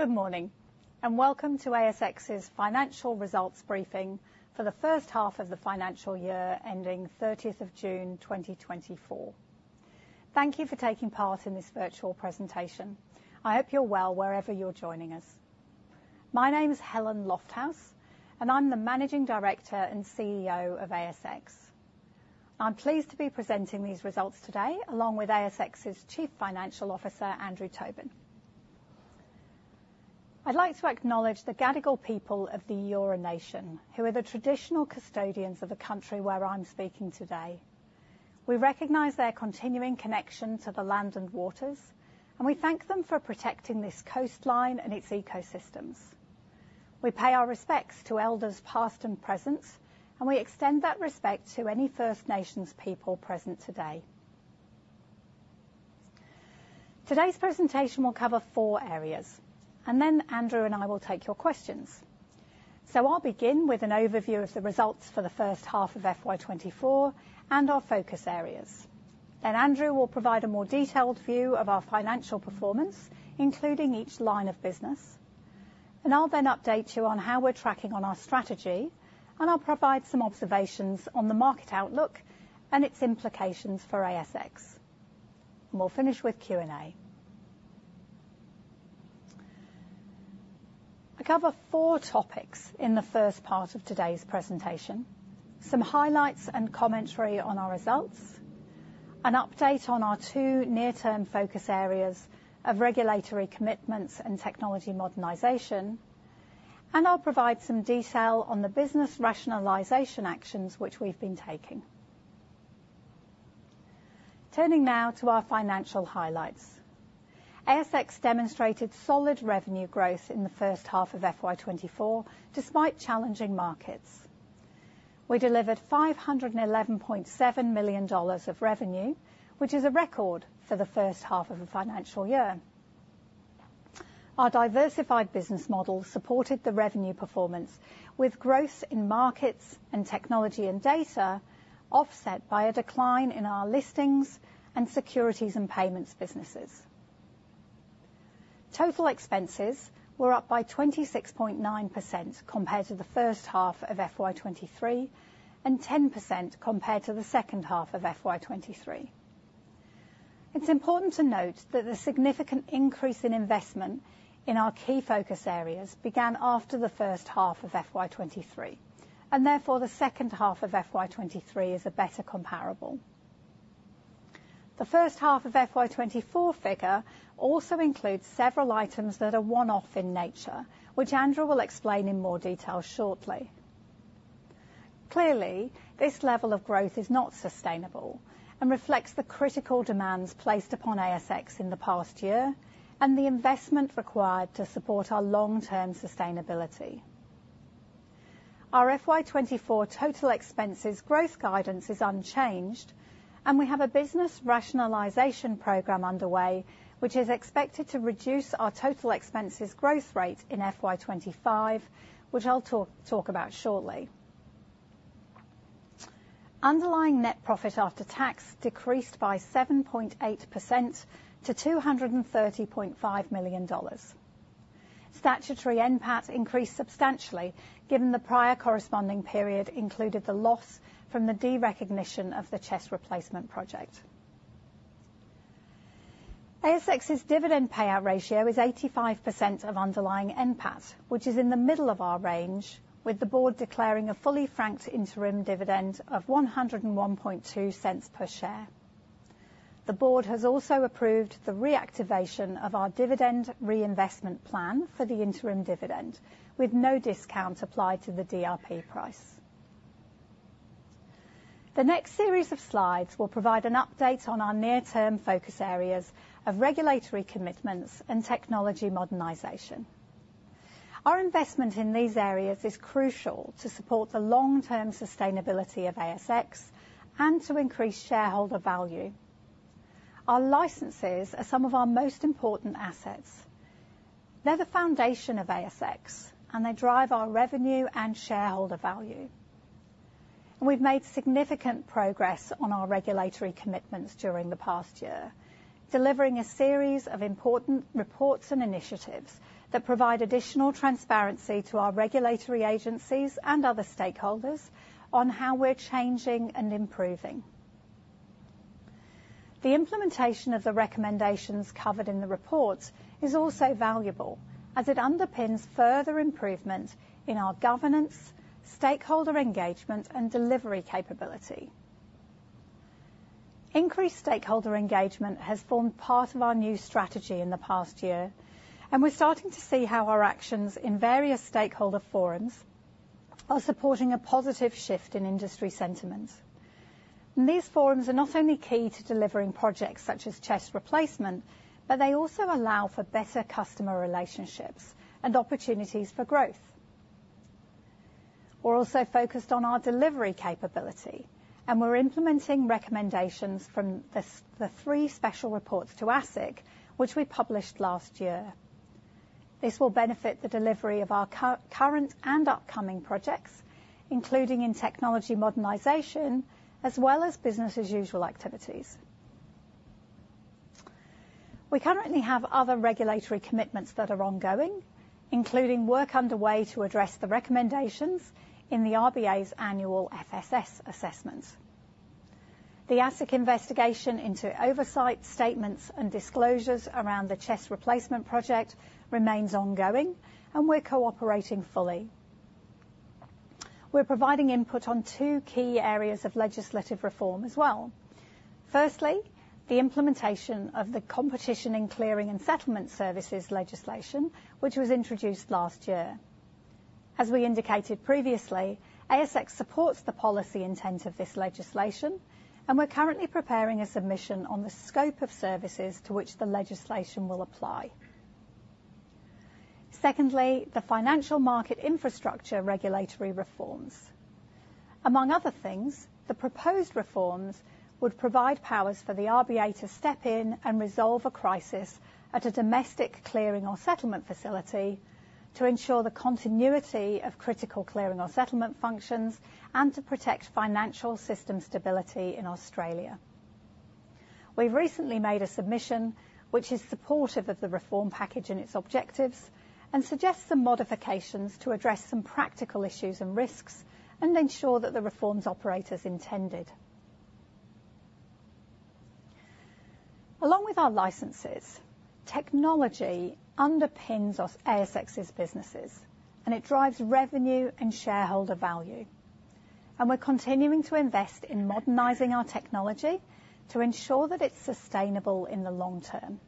Good morning, and welcome to ASX's financial results briefing for the first half of the financial year ending 30 June 2024. Thank you for taking part in this virtual presentation. I hope you're well wherever you're joining us. My name is Helen Lofthouse, and I'm the Managing Director and CEO of ASX. I'm pleased to be presenting these results today along with ASX's Chief Financial Officer, Andrew Tobin. I'd like to acknowledge the Gadigal people of the Eora Nation, who are the traditional custodians of the country where I'm speaking today. We recognize their continuing connection to the land and waters, and we thank them for protecting this coastline and its ecosystems. We pay our respects to elders past and present, and we extend that respect to any First Nations people present today. Today's presentation will cover four areas, and then Andrew and I will take your questions. I'll begin with an overview of the results for the first half of FY 2024 and our focus areas. Then Andrew will provide a more detailed view of our financial performance, including each line of business, and I'll then update you on how we're tracking on our strategy, and I'll provide some observations on the market outlook and its implications for ASX. We'll finish with Q&A. I cover four topics in the first part of today's presentation: some highlights and commentary on our results, an update on our two near-term focus areas of regulatory commitments and technology modernization, and I'll provide some detail on the business rationalization actions which we've been taking. Turning now to our financial highlights. ASX demonstrated solid revenue growth in the first half of FY 2024 despite challenging markets. We delivered 511.7 million dollars of revenue, which is a record for the first half of the financial year. Our diversified business model supported the revenue performance with growth in markets and technology and data offset by a decline in our listings and securities and payments businesses. Total expenses were up by 26.9% compared to the first half of FY 2023 and 10% compared to the second half of FY 2023. It's important to note that the significant increase in investment in our key focus areas began after the first half of FY 2023, and therefore the second half of FY 2023 is a better comparable. The first half of FY 2024 figure also includes several items that are one-off in nature, which Andrew will explain in more detail shortly. Clearly, this level of growth is not sustainable and reflects the critical demands placed upon ASX in the past year and the investment required to support our long-term sustainability. Our FY 2024 total expenses growth guidance is unchanged, and we have a business rationalization program underway which is expected to reduce our total expenses growth rate in FY 2025, which I'll talk about shortly. Underlying net profit after tax decreased by 7.8% to 230.5 million dollars. Statutory NPAT increased substantially given the prior corresponding period included the loss from the de-recognition of the CHESS Replacement Project. ASX's dividend payout ratio is 85% of underlying NPAT, which is in the middle of our range, with the board declaring a fully franked interim dividend of 1.012 per share. The board has also approved the reactivation of our dividend reinvestment plan for the interim dividend, with no discount applied to the DRP price. The next series of slides will provide an update on our near-term focus areas of regulatory commitments and technology modernization. Our investment in these areas is crucial to support the long-term sustainability of ASX and to increase shareholder value. Our licenses are some of our most important assets. They're the foundation of ASX, and they drive our revenue and shareholder value. We've made significant progress on our regulatory commitments during the past year, delivering a series of important reports and initiatives that provide additional transparency to our regulatory agencies and other stakeholders on how we're changing and improving. The implementation of the recommendations covered in the reports is also valuable, as it underpins further improvement in our governance, stakeholder engagement, and delivery capability. Increased stakeholder engagement has formed part of our new strategy in the past year, and we're starting to see how our actions in various stakeholder forums are supporting a positive shift in industry sentiments. These forums are not only key to delivering projects such as CHESS Replacement, but they also allow for better customer relationships and opportunities for growth. We're also focused on our delivery capability, and we're implementing recommendations from the three special reports to ASIC, which we published last year. This will benefit the delivery of our current and upcoming projects, including in technology modernization as well as business-as-usual activities. We currently have other regulatory commitments that are ongoing, including work underway to address the recommendations in the RBA's annual FSS assessments. The ASIC investigation into oversight statements and disclosures around the CHESS Replacement Project remains ongoing, and we're cooperating fully. We're providing input on two key areas of legislative reform as well. Firstly, the implementation of the competition in clearing and settlement services legislation, which was introduced last year. As we indicated previously, ASX supports the policy intent of this legislation, and we're currently preparing a submission on the scope of services to which the legislation will apply. Secondly, the financial market infrastructure regulatory reforms. Among other things, the proposed reforms would provide powers for the RBA to step in and resolve a crisis at a domestic clearing or settlement facility to ensure the continuity of critical clearing or settlement functions and to protect financial system stability in Australia. We've recently made a submission which is supportive of the reform package and its objectives and suggests some modifications to address some practical issues and risks and ensure that the reform operates as intended. Along with our licenses, technology underpins ASX's businesses, and it drives revenue and shareholder value. We're continuing to invest in modernizing our technology to ensure that it's sustainable in the long term.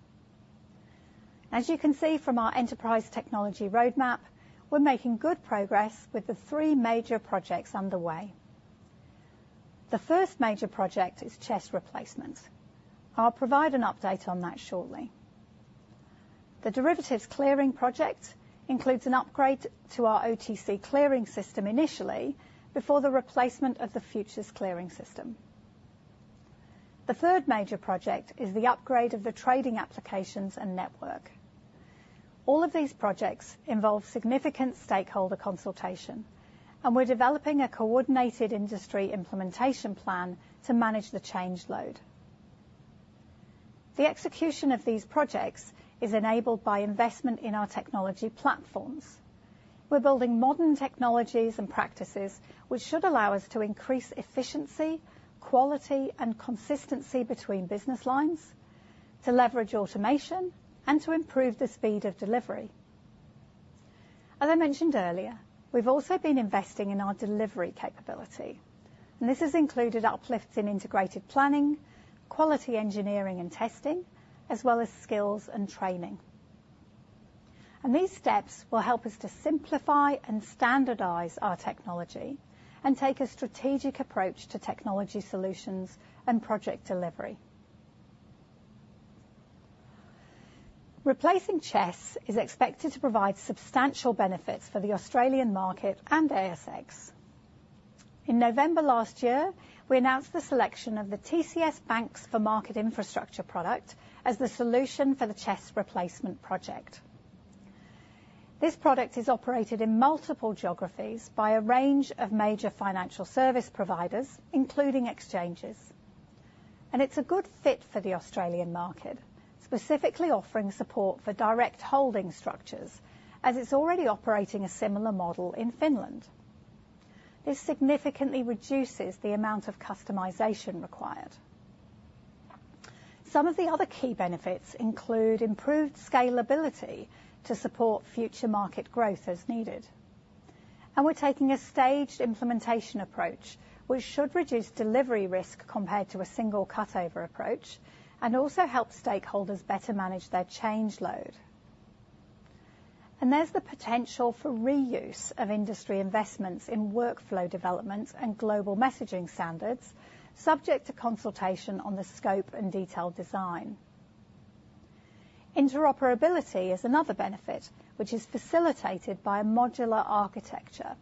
As you can see from our enterprise technology roadmap, we're making good progress with the three major projects underway. The first major project is CHESS Replacement. I'll provide an update on that shortly. The derivatives clearing project includes an upgrade to our OTC clearing system initially before the replacement of the futures clearing system. The third major project is the upgrade of the trading applications and network. All of these projects involve significant stakeholder consultation, and we're developing a coordinated industry implementation plan to manage the change load. The execution of these projects is enabled by investment in our technology platforms. We're building modern technologies and practices which should allow us to increase efficiency, quality, and consistency between business lines, to leverage automation, and to improve the speed of delivery. As I mentioned earlier, we've also been investing in our delivery capability, and this has included uplifts in integrated planning, quality engineering and testing, as well as skills and training. These steps will help us to simplify and standardize our technology and take a strategic approach to technology solutions and project delivery. Replacing CHESS is expected to provide substantial benefits for the Australian market and ASX. In November last year, we announced the selection of the TCS BaNCS for Market Infrastructure product as the solution for the CHESS Replacement Project. This product is operated in multiple geographies by a range of major financial service providers, including exchanges. It's a good fit for the Australian market, specifically offering support for direct holding structures, as it's already operating a similar model in Finland. This significantly reduces the amount of customization required. Some of the other key benefits include improved scalability to support future market growth as needed. And we're taking a staged implementation approach which should reduce delivery risk compared to a single cutover approach and also help stakeholders better manage their change load. And there's the potential for reuse of industry investments in workflow development and global messaging standards, subject to consultation on the scope and detailed design. Interoperability is another benefit, which is facilitated by a modular architecture.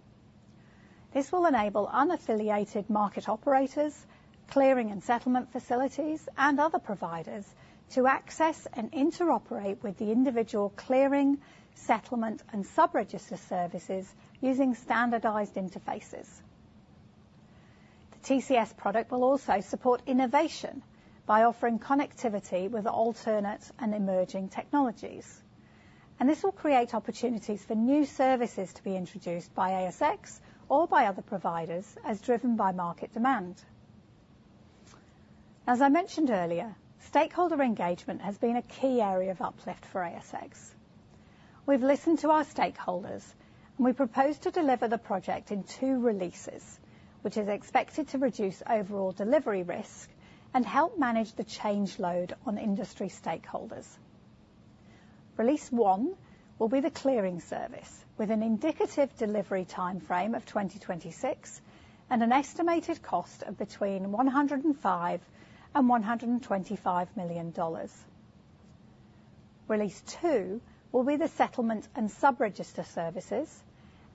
This will enable unaffiliated market operators, clearing and settlement facilities, and other providers to access and interoperate with the individual clearing, settlement, and subregister services using standardized interfaces. The TCS product will also support innovation by offering connectivity with alternate and emerging technologies. This will create opportunities for new services to be introduced by ASX or by other providers as driven by market demand. As I mentioned earlier, stakeholder engagement has been a key area of uplift for ASX. We've listened to our stakeholders, and we propose to deliver the project in two releases, which is expected to reduce overall delivery risk and help manage the change load on industry stakeholders. Release one will be the clearing service, with an indicative delivery timeframe of 2026 and an estimated cost of between 105 million and 125 million dollars. Release two will be the settlement and subregister services,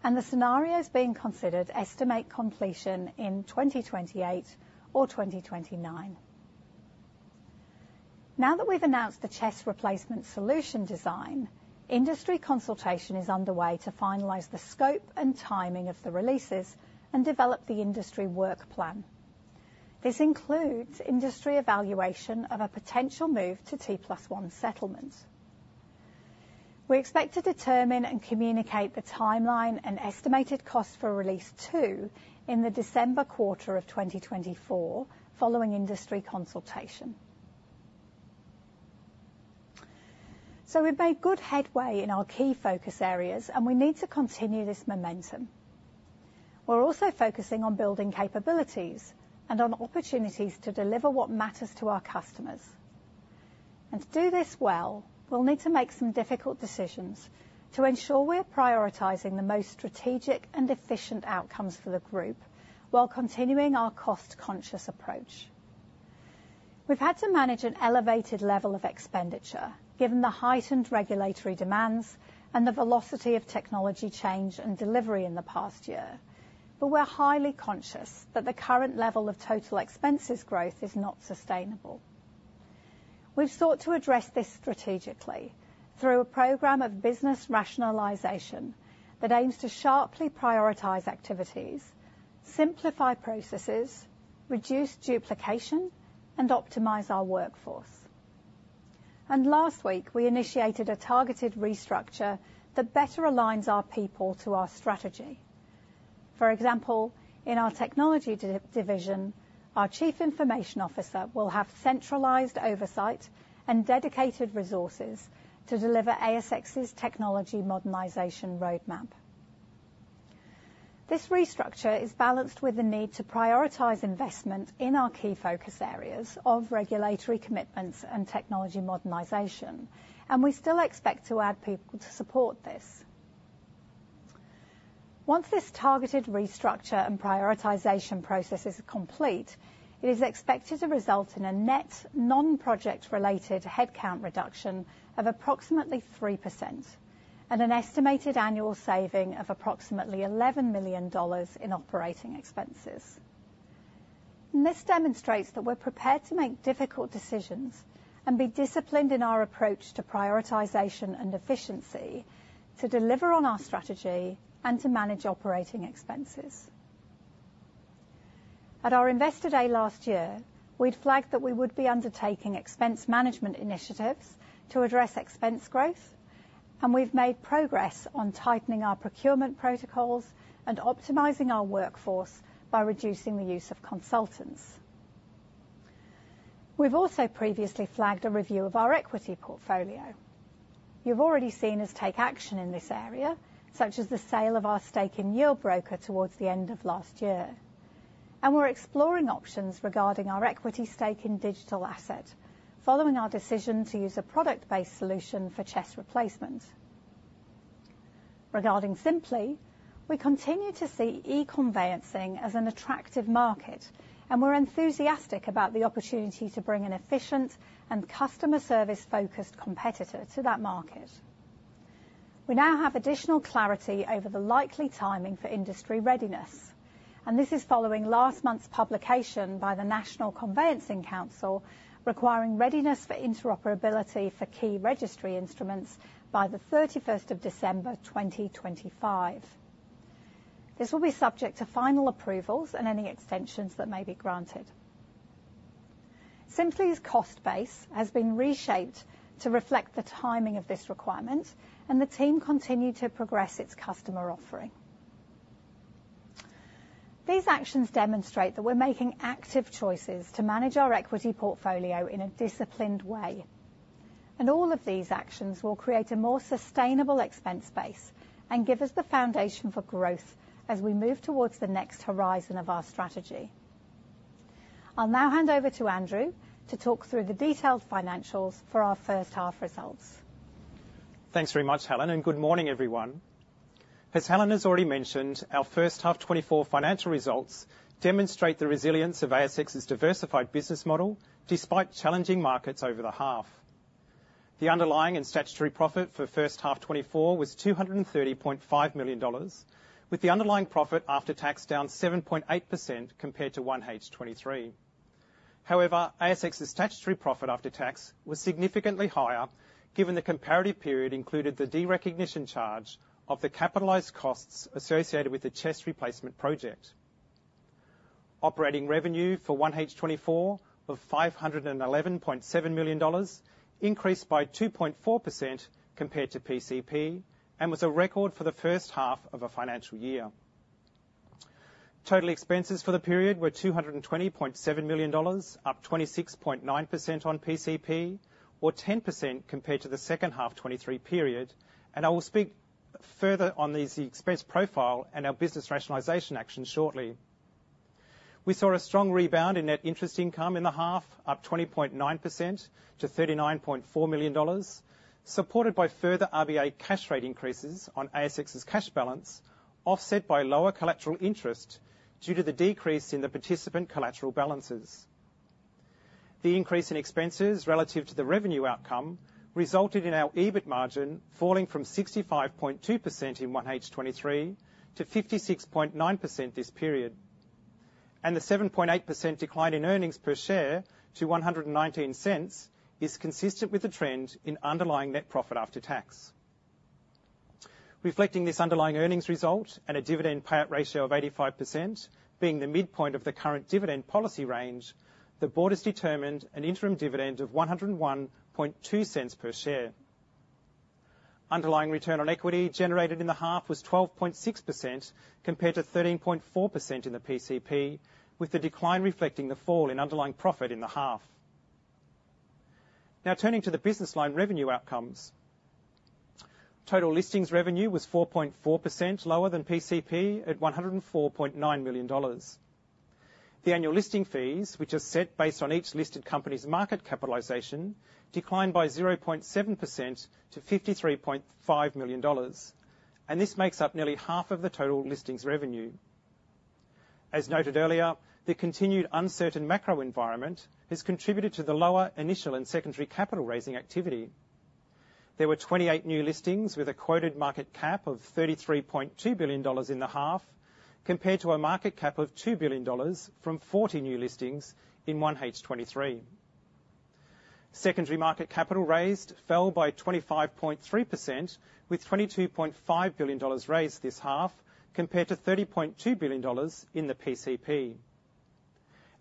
and the scenarios being considered estimate completion in 2028 or 2029. Now that we've announced the CHESS Replacement solution design, industry consultation is underway to finalize the scope and timing of the releases and develop the industry work plan. This includes industry evaluation of a potential move to T+1 settlement. We expect to determine and communicate the timeline and estimated cost for release two in the December quarter of 2024, following industry consultation. So we've made good headway in our key focus areas, and we need to continue this momentum. We're also focusing on building capabilities and on opportunities to deliver what matters to our customers. And to do this well, we'll need to make some difficult decisions to ensure we're prioritizing the most strategic and efficient outcomes for the group while continuing our cost-conscious approach. We've had to manage an elevated level of expenditure given the heightened regulatory demands and the velocity of technology change and delivery in the past year, but we're highly conscious that the current level of total expenses growth is not sustainable. We've sought to address this strategically through a program of business rationalization that aims to sharply prioritize activities, simplify processes, reduce duplication, and optimize our workforce. Last week, we initiated a targeted restructure that better aligns our people to our strategy. For example, in our technology division, our Chief Information Officer will have centralized oversight and dedicated resources to deliver ASX's technology modernization roadmap. This restructure is balanced with the need to prioritize investment in our key focus areas of regulatory commitments and technology modernization, and we still expect to add people to support this. Once this targeted restructure and prioritization process is complete, it is expected to result in a net non-project-related headcount reduction of approximately 3% and an estimated annual saving of approximately 11 million dollars in operating expenses. This demonstrates that we're prepared to make difficult decisions and be disciplined in our approach to prioritization and efficiency to deliver on our strategy and to manage operating expenses. At our Investor Day last year, we'd flagged that we would be undertaking expense management initiatives to address expense growth, and we've made progress on tightening our procurement protocols and optimizing our workforce by reducing the use of consultants. We've also previously flagged a review of our equity portfolio. You've already seen us take action in this area, such as the sale of our stake in Yieldbroker towards the end of last year. We're exploring options regarding our equity stake in Digital Asset, following our decision to use a product-based solution for CHESS Replacement. Regarding Sympli, we continue to see e-conveyancing as an attractive market, and we're enthusiastic about the opportunity to bring an efficient and customer service-focused competitor to that market. We now have additional clarity over the likely timing for industry readiness, and this is following last month's publication by the National Conveyancing Council requiring readiness for interoperability for key registry instruments by the December 31st, 2025. This will be subject to final approvals and any extensions that may be granted. Sympli's cost base has been reshaped to reflect the timing of this requirement, and the team continued to progress its customer offering. These actions demonstrate that we're making active choices to manage our equity portfolio in a disciplined way. All of these actions will create a more sustainable expense base and give us the foundation for growth as we move towards the next horizon of our strategy. I'll now hand over to Andrew to talk through the detailed financials for our first half results. Thanks very much, Helen, and good morning, everyone. As Helen has already mentioned, our first half 2024 financial results demonstrate the resilience of ASX's diversified business model despite challenging markets over the half. The underlying and statutory profit for first half 2024 was 230.5 million dollars, with the underlying profit after tax down 7.8% compared to 1H2023. However, ASX's statutory profit after tax was significantly higher given the comparative period included the de-recognition charge of the capitalized costs associated with the CHESS Replacement Project. Operating revenue for 1H2024 of 511.7 million dollars increased by 2.4% compared to PCP and was a record for the first half of a financial year. Total expenses for the period were 220.7 million dollars, up 26.9% on PCP, or 10% compared to the second half 2023 period, and I will speak further on the expense profile and our business rationalization action shortly. We saw a strong rebound in net interest income in the half, up 20.9% to 39.4 million dollars, supported by further RBA cash rate increases on ASX's cash balance, offset by lower collateral interest due to the decrease in the participant collateral balances. The increase in expenses relative to the revenue outcome resulted in our EBIT margin falling from 65.2% in 1H2023 to 56.9% this period. The 7.8% decline in earnings per share to 0.119 is consistent with the trend in underlying net profit after tax. Reflecting this underlying earnings result and a dividend payout ratio of 85% being the midpoint of the current dividend policy range, the board has determined an interim dividend of 0.1012 per share. Underlying return on equity generated in the half was 12.6% compared to 13.4% in the PCP, with the decline reflecting the fall in underlying profit in the half. Now, turning to the business line revenue outcomes. Total listings revenue was 4.4% lower than PCP at 104.9 million dollars. The annual listing fees, which are set based on each listed company's market capitalization, declined by 0.7% to 53.5 million dollars, and this makes up nearly half of the total listings revenue. As noted earlier, the continued uncertain macro environment has contributed to the lower initial and secondary capital raising activity. There were 28 new listings with a quoted market cap of 33.2 billion dollars in the half compared to a market cap of 2 billion dollars from 40 new listings in 1H2023. Secondary market capital raised fell by 25.3%, with 22.5 billion dollars raised this half compared to 30.2 billion dollars in the PCP.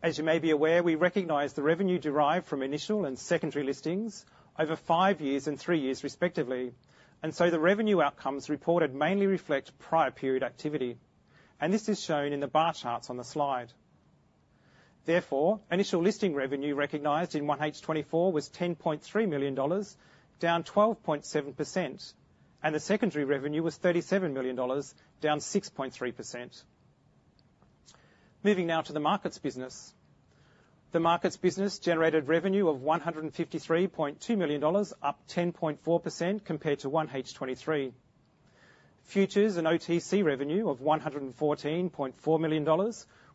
As you may be aware, we recognize the revenue derived from initial and secondary listings over five years and three years, respectively, and so the revenue outcomes reported mainly reflect prior period activity, and this is shown in the bar charts on the slide. Therefore, initial listing revenue recognized in 1H2024 was 10.3 million dollars, down 12.7%, and the secondary revenue was 37 million dollars, down 6.3%. Moving now to the markets business. The markets business generated revenue of AUD 153.2 million, up 10.4% compared to 1H2023. Futures and OTC revenue of AUD 114.4 million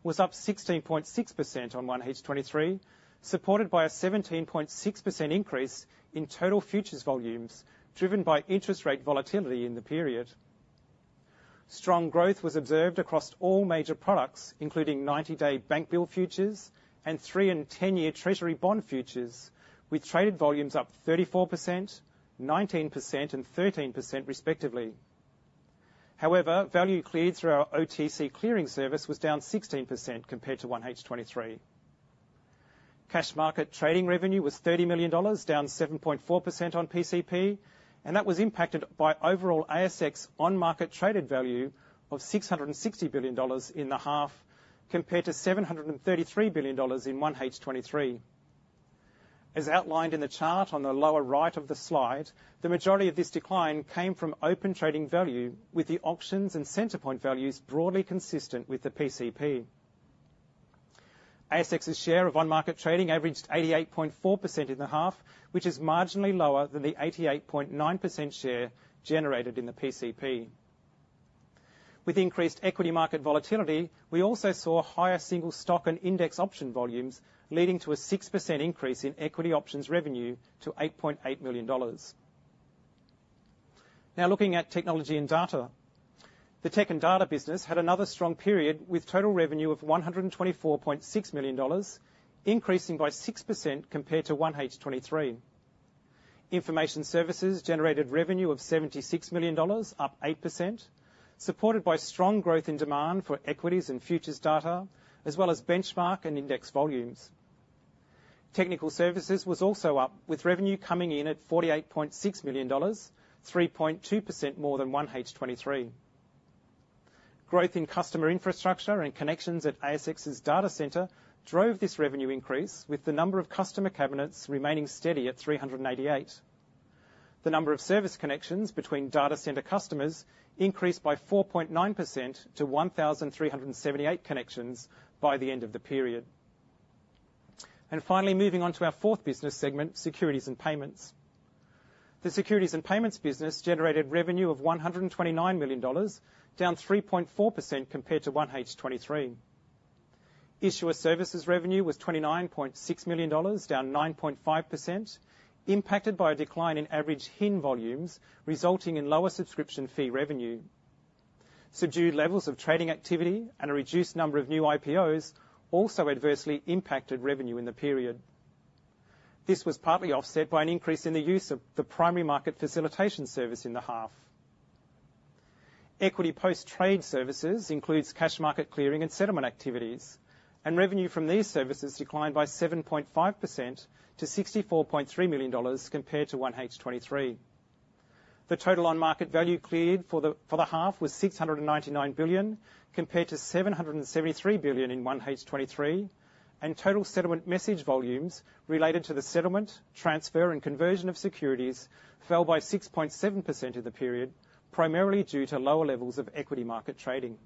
was up 16.6% on 1H2023, supported by a 17.6% increase in total futures volumes driven by interest rate volatility in the period. Strong growth was observed across all major products, including 90-day bank bill futures and three and 10-year Treasury bond futures, with traded volumes up 34%, 19%, and 13%, respectively. However, value cleared through our OTC clearing service was down 16% compared to 1H2023. Cash market trading revenue was 30 million dollars, down 7.4% on PCP, and that was impacted by overall ASX on-market traded value of 660 billion dollars in the half compared to 733 billion dollars in 1H2023. As outlined in the chart on the lower right of the slide, the majority of this decline came from open trading value, with the auctions and Centre Point values broadly consistent with the PCP. ASX's share of on-market trading averaged 88.4% in the half, which is marginally lower than the 88.9% share generated in the PCP. With increased equity market volatility, we also saw higher single stock and index option volumes, leading to a 6% increase in equity options revenue to 8.8 million dollars. Now, looking at technology and data. The tech and data business had another strong period, with total revenue of 124.6 million dollars, increasing by 6% compared to 1H2023. Information services generated revenue of 76 million dollars, up 8%, supported by strong growth in demand for equities and futures data, as well as benchmark and index volumes. Technical services was also up, with revenue coming in at 48.6 million dollars, 3.2% more than 1H2023. Growth in customer infrastructure and connections at ASX's data center drove this revenue increase, with the number of customer cabinets remaining steady at 388. The number of service connections between data center customers increased by 4.9% to 1,378 connections by the end of the period. Finally, moving on to our fourth business segment, securities and payments. The securities and payments business generated revenue of 129 million dollars, down 3.4% compared to 1H2023. Issuer services revenue was 29.6 million dollars, down 9.5%, impacted by a decline in average HIN volumes, resulting in lower subscription fee revenue. Subdued levels of trading activity and a reduced number of new IPOs also adversely impacted revenue in the period. This was partly offset by an increase in the use of the primary market facilitation service in the half. Equity post-trade services include cash market clearing and settlement activities, and revenue from these services declined by 7.5% to 64.3 million dollars compared to 1H2023. The total on-market value cleared for the half was 699 billion compared to 773 billion in 1H2023, and total settlement message volumes related to the settlement, transfer, and conversion of securities fell by 6.7% in the period, primarily due to lower levels of equity market trading.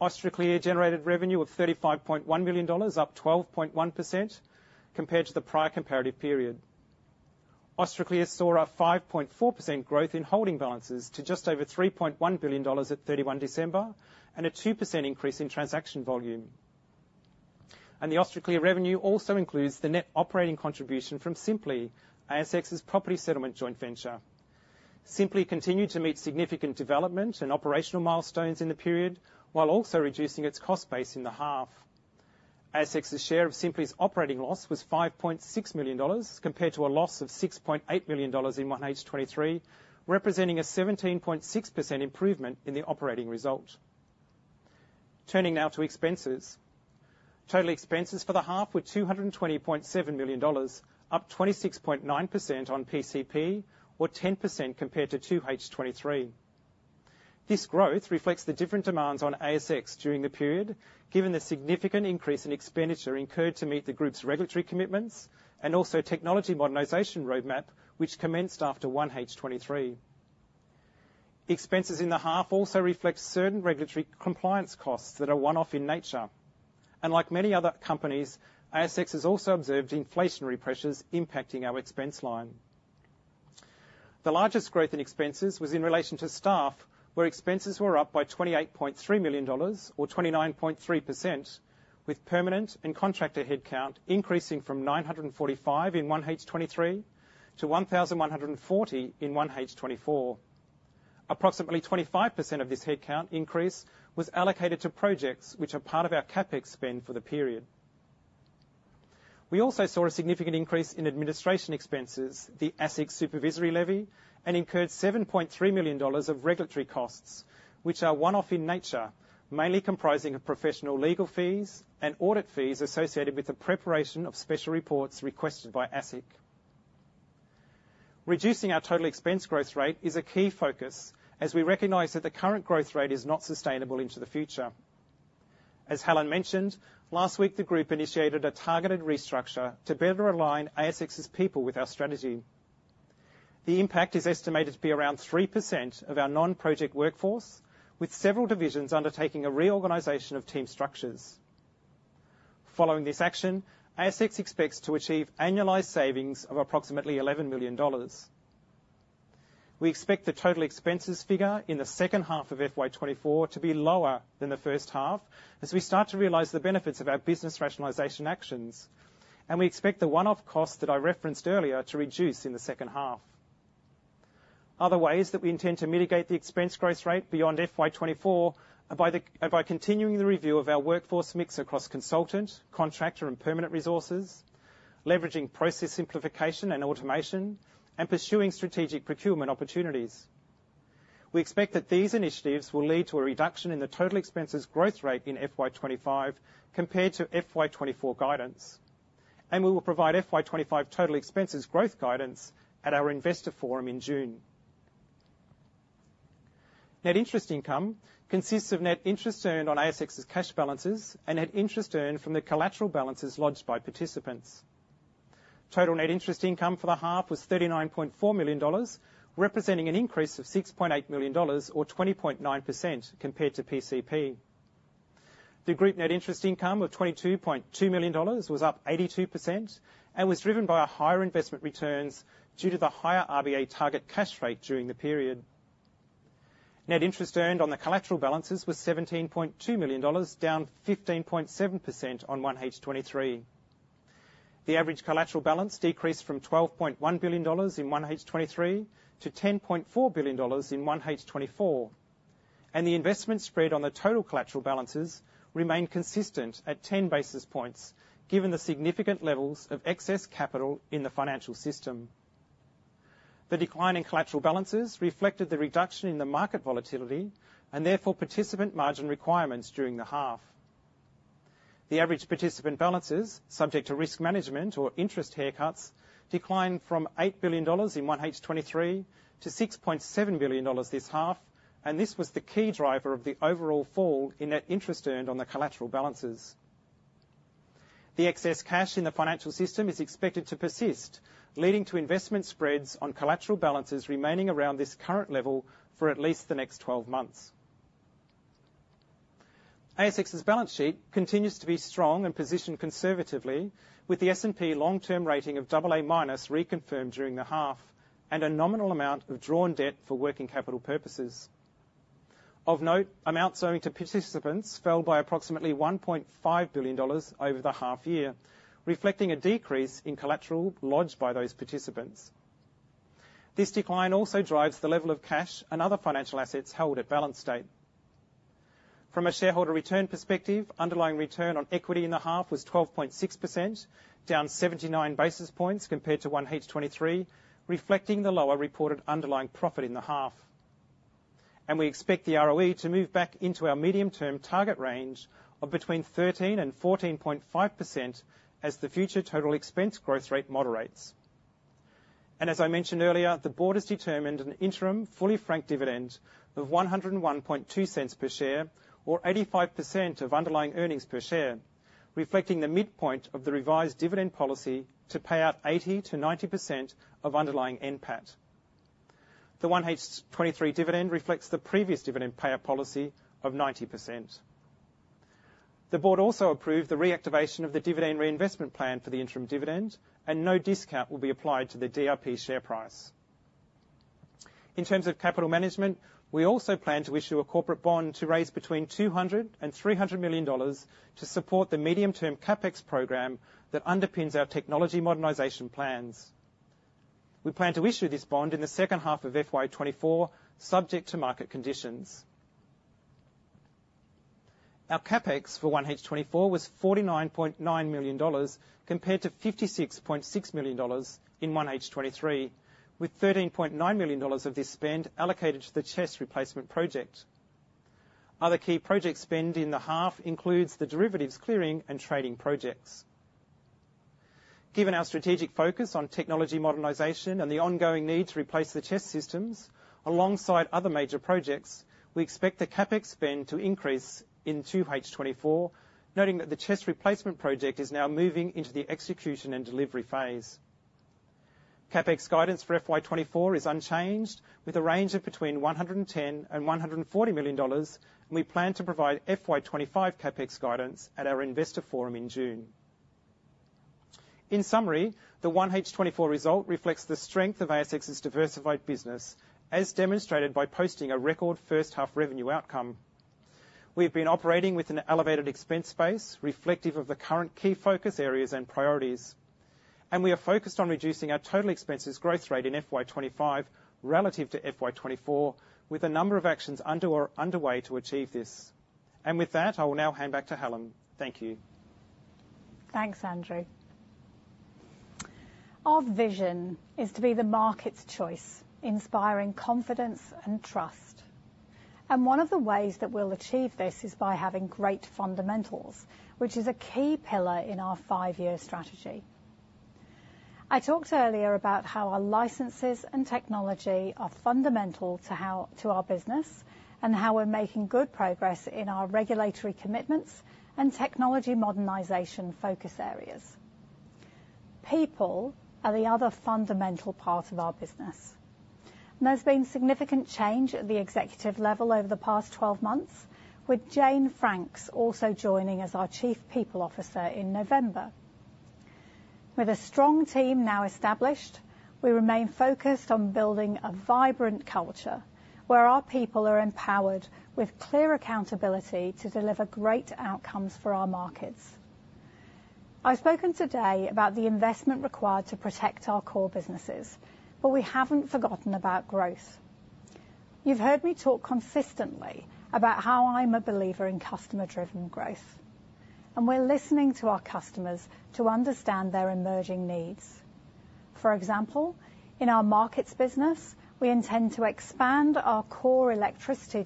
Austraclear generated revenue of AUD 35.1 million, up 12.1% compared to the prior comparative period. Austraclear saw a 5.4% growth in holding balances to just over 3.1 billion dollars on December 31 and a 2% increase in transaction volume. The Austraclear revenue also includes the net operating contribution from Sympli, ASX's property settlement joint venture. Sympli continued to meet significant development and operational milestones in the period while also reducing its cost base in the half. ASX's share of Sympli's operating loss was 5.6 million dollars compared to a loss of 6.8 million dollars in 1H2023, representing a 17.6% improvement in the operating result. Turning now to expenses. Total expenses for the half were 220.7 million dollars, up 26.9% on PCP, or 10% compared to 2H2023. This growth reflects the different demands on ASX during the period, given the significant increase in expenditure incurred to meet the group's regulatory commitments and also technology modernization roadmap, which commenced after 1H2023. Expenses in the half also reflect certain regulatory compliance costs that are one-off in nature. Like many other companies, ASX has also observed inflationary pressures impacting our expense line. The largest growth in expenses was in relation to staff, where expenses were up by 28.3 million dollars, or 29.3%, with permanent and contractor headcount increasing from 945 in 1H2023 to 1,140 in 1H2024. Approximately 25% of this headcount increase was allocated to projects which are part of our CapEx spend for the period. We also saw a significant increase in administration expenses, the ASIC supervisory levy, and incurred 7.3 million dollars of regulatory costs, which are one-off in nature, mainly comprising of professional legal fees and audit fees associated with the preparation of special reports requested by ASIC. Reducing our total expense growth rate is a key focus as we recognize that the current growth rate is not sustainable into the future. As Helen mentioned, last week the group initiated a targeted restructure to better align ASX's people with our strategy. The impact is estimated to be around 3% of our non-project workforce, with several divisions undertaking a reorganization of team structures. Following this action, ASX expects to achieve annualized savings of approximately 11 million dollars. We expect the total expenses figure in the second half of FY 2024 to be lower than the first half as we start to realize the benefits of our business rationalization actions, and we expect the one-off costs that I referenced earlier to reduce in the second half. Other ways that we intend to mitigate the expense growth rate beyond FY 2024 are by continuing the review of our workforce mix across consultant, contractor, and permanent resources, leveraging process simplification and automation, and pursuing strategic procurement opportunities. We expect that these initiatives will lead to a reduction in the total expenses growth rate in FY 2025 compared to FY 2024 guidance, and we will provide FY 2025 total expenses growth guidance at our investor forum in June. Net interest income consists of net interest earned on ASX's cash balances and net interest earned from the collateral balances lodged by participants. Total net interest income for the half was AUD 39.4 million, representing an increase of AUD 6.8 million, or 20.9%, compared to PCP. The group net interest income of 22.2 million dollars was up 82% and was driven by higher investment returns due to the higher RBA target cash rate during the period. Net interest earned on the collateral balances was AUD 17.2 million, down 15.7% on 1H2023. The average collateral balance decreased from AUD 12.1 billion in 1H2023 to AUD 10.4 billion in 1H2024, and the investment spread on the total collateral balances remained consistent at 10 basis points, given the significant levels of excess capital in the financial system. The decline in collateral balances reflected the reduction in the market volatility and therefore participant margin requirements during the half. The average participant balances, subject to risk management or interest haircuts, declined from 8 billion dollars in 1H2023 to 6.7 billion dollars this half, and this was the key driver of the overall fall in net interest earned on the collateral balances. The excess cash in the financial system is expected to persist, leading to investment spreads on collateral balances remaining around this current level for at least the next 12 months. ASX's balance sheet continues to be strong and positioned conservatively, with the S&P long-term rating of AA- reconfirmed during the half and a nominal amount of drawn debt for working capital purposes. Of note, amounts owing to participants fell by approximately 1.5 billion dollars over the half year, reflecting a decrease in collateral lodged by those participants. This decline also drives the level of cash and other financial assets held at balance sheet. From a shareholder return perspective, underlying return on equity in the half was 12.6%, down 79 basis points compared to 1H2023, reflecting the lower reported underlying profit in the half. We expect the ROE to move back into our medium-term target range of between 13% and 14.5% as the future total expense growth rate moderates. As I mentioned earlier, the board has determined an interim fully franked dividend of 1.012 per share, or 85% of underlying earnings per share, reflecting the midpoint of the revised dividend policy to pay out 80%-90% of underlying NPAT. The 1H2023 dividend reflects the previous dividend payout policy of 90%. The board also approved the reactivation of the dividend reinvestment plan for the interim dividend, and no discount will be applied to the DRP share price. In terms of capital management, we also plan to issue a corporate bond to raise between 200 million dollars and AUD 300 million to support the medium-term CapEx program that underpins our technology modernization plans. We plan to issue this bond in the second half of FY 2024, subject to market conditions. Our CapEx for 1H2024 was 49.9 million dollars compared to 56.6 million dollars in 1H2023, with 13.9 million dollars of this spend allocated to the CHESS Replacement Project. Other key project spend in the half includes the derivatives clearing and trading projects. Given our strategic focus on technology modernization and the ongoing need to replace the CHESS systems, alongside other major projects, we expect the CapEx spend to increase in 2H2024, noting that the CHESS Replacement Project is now moving into the execution and delivery phase. CapEx guidance for FY 2024 is unchanged, with a range of between 110 million and 140 million dollars, and we plan to provide FY 2025 CapEx guidance at our investor forum in June. In summary, the 1H2024 result reflects the strength of ASX's diversified business, as demonstrated by posting a record first-half revenue outcome. We have been operating with an elevated expense base reflective of the current key focus areas and priorities, and we are focused on reducing our total expenses growth rate in FY 2025 relative to FY 2024, with a number of actions underway to achieve this. With that, I will now hand back to Helen. Thank you. Thanks, Andrew. Our vision is to be the market's choice, inspiring confidence and trust. One of the ways that we'll achieve this is by having great fundamentals, which is a key pillar in our five-year strategy. I talked earlier about how our licenses and technology are fundamental to our business and how we're making good progress in our regulatory commitments and technology modernization focus areas. People are the other fundamental part of our business. There's been significant change at the executive level over the past 12 months, with Jane Franks also joining as our Chief People Officer in November. With a strong team now established, we remain focused on building a vibrant culture where our people are empowered with clear accountability to deliver great outcomes for our markets. I've spoken today about the investment required to protect our core businesses, but we haven't forgotten about growth. You've heard me talk consistently about how I'm a believer in customer-driven growth, and we're listening to our customers to understand their emerging needs. For example, in our markets business, we intend to expand our core electricity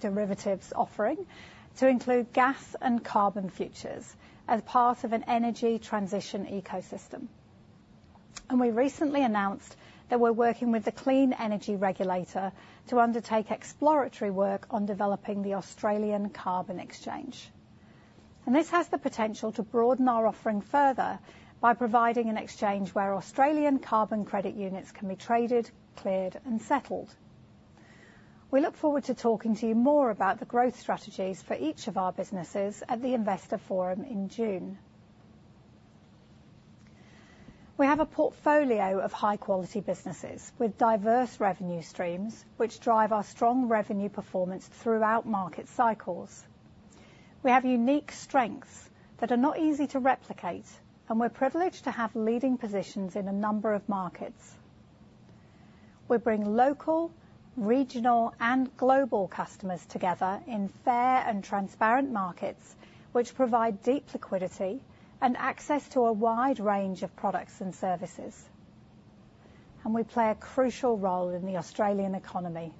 derivatives offering to include gas and carbon futures as part of an energy transition ecosystem. We recently announced that we're working with the Clean Energy Regulator to undertake exploratory work on developing the Australian Carbon Exchange. This has the potential to broaden our offering further by providing an exchange where Australian carbon credit units can be traded, cleared, and settled. We look forward to talking to you more about the growth strategies for each of our businesses at the investor forum in June. We have a portfolio of high-quality businesses with diverse revenue streams which drive our strong revenue performance throughout market cycles. We have unique strengths that are not easy to replicate, and we're privileged to have leading positions in a number of markets. We bring local, regional, and global customers together in fair and transparent markets which provide deep liquidity and access to a wide range of products and services. And we play a crucial role in the Australian economy,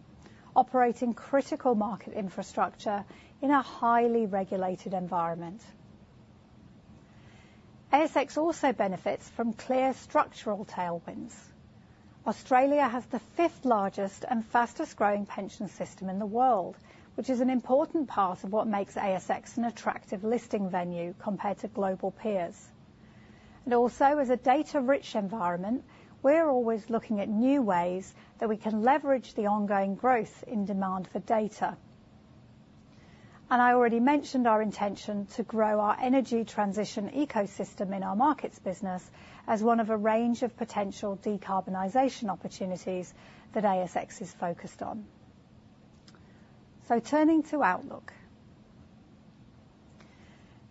operating critical market infrastructure in a highly regulated environment. ASX also benefits from clear structural tailwinds. Australia has the fifth-largest and fastest-growing pension system in the world, which is an important part of what makes ASX an attractive listing venue compared to global peers. Also, as a data-rich environment, we're always looking at new ways that we can leverage the ongoing growth in demand for data. I already mentioned our intention to grow our energy transition ecosystem in our markets business as one of a range of potential decarbonisation opportunities that ASX is focused on. Turning to outlook.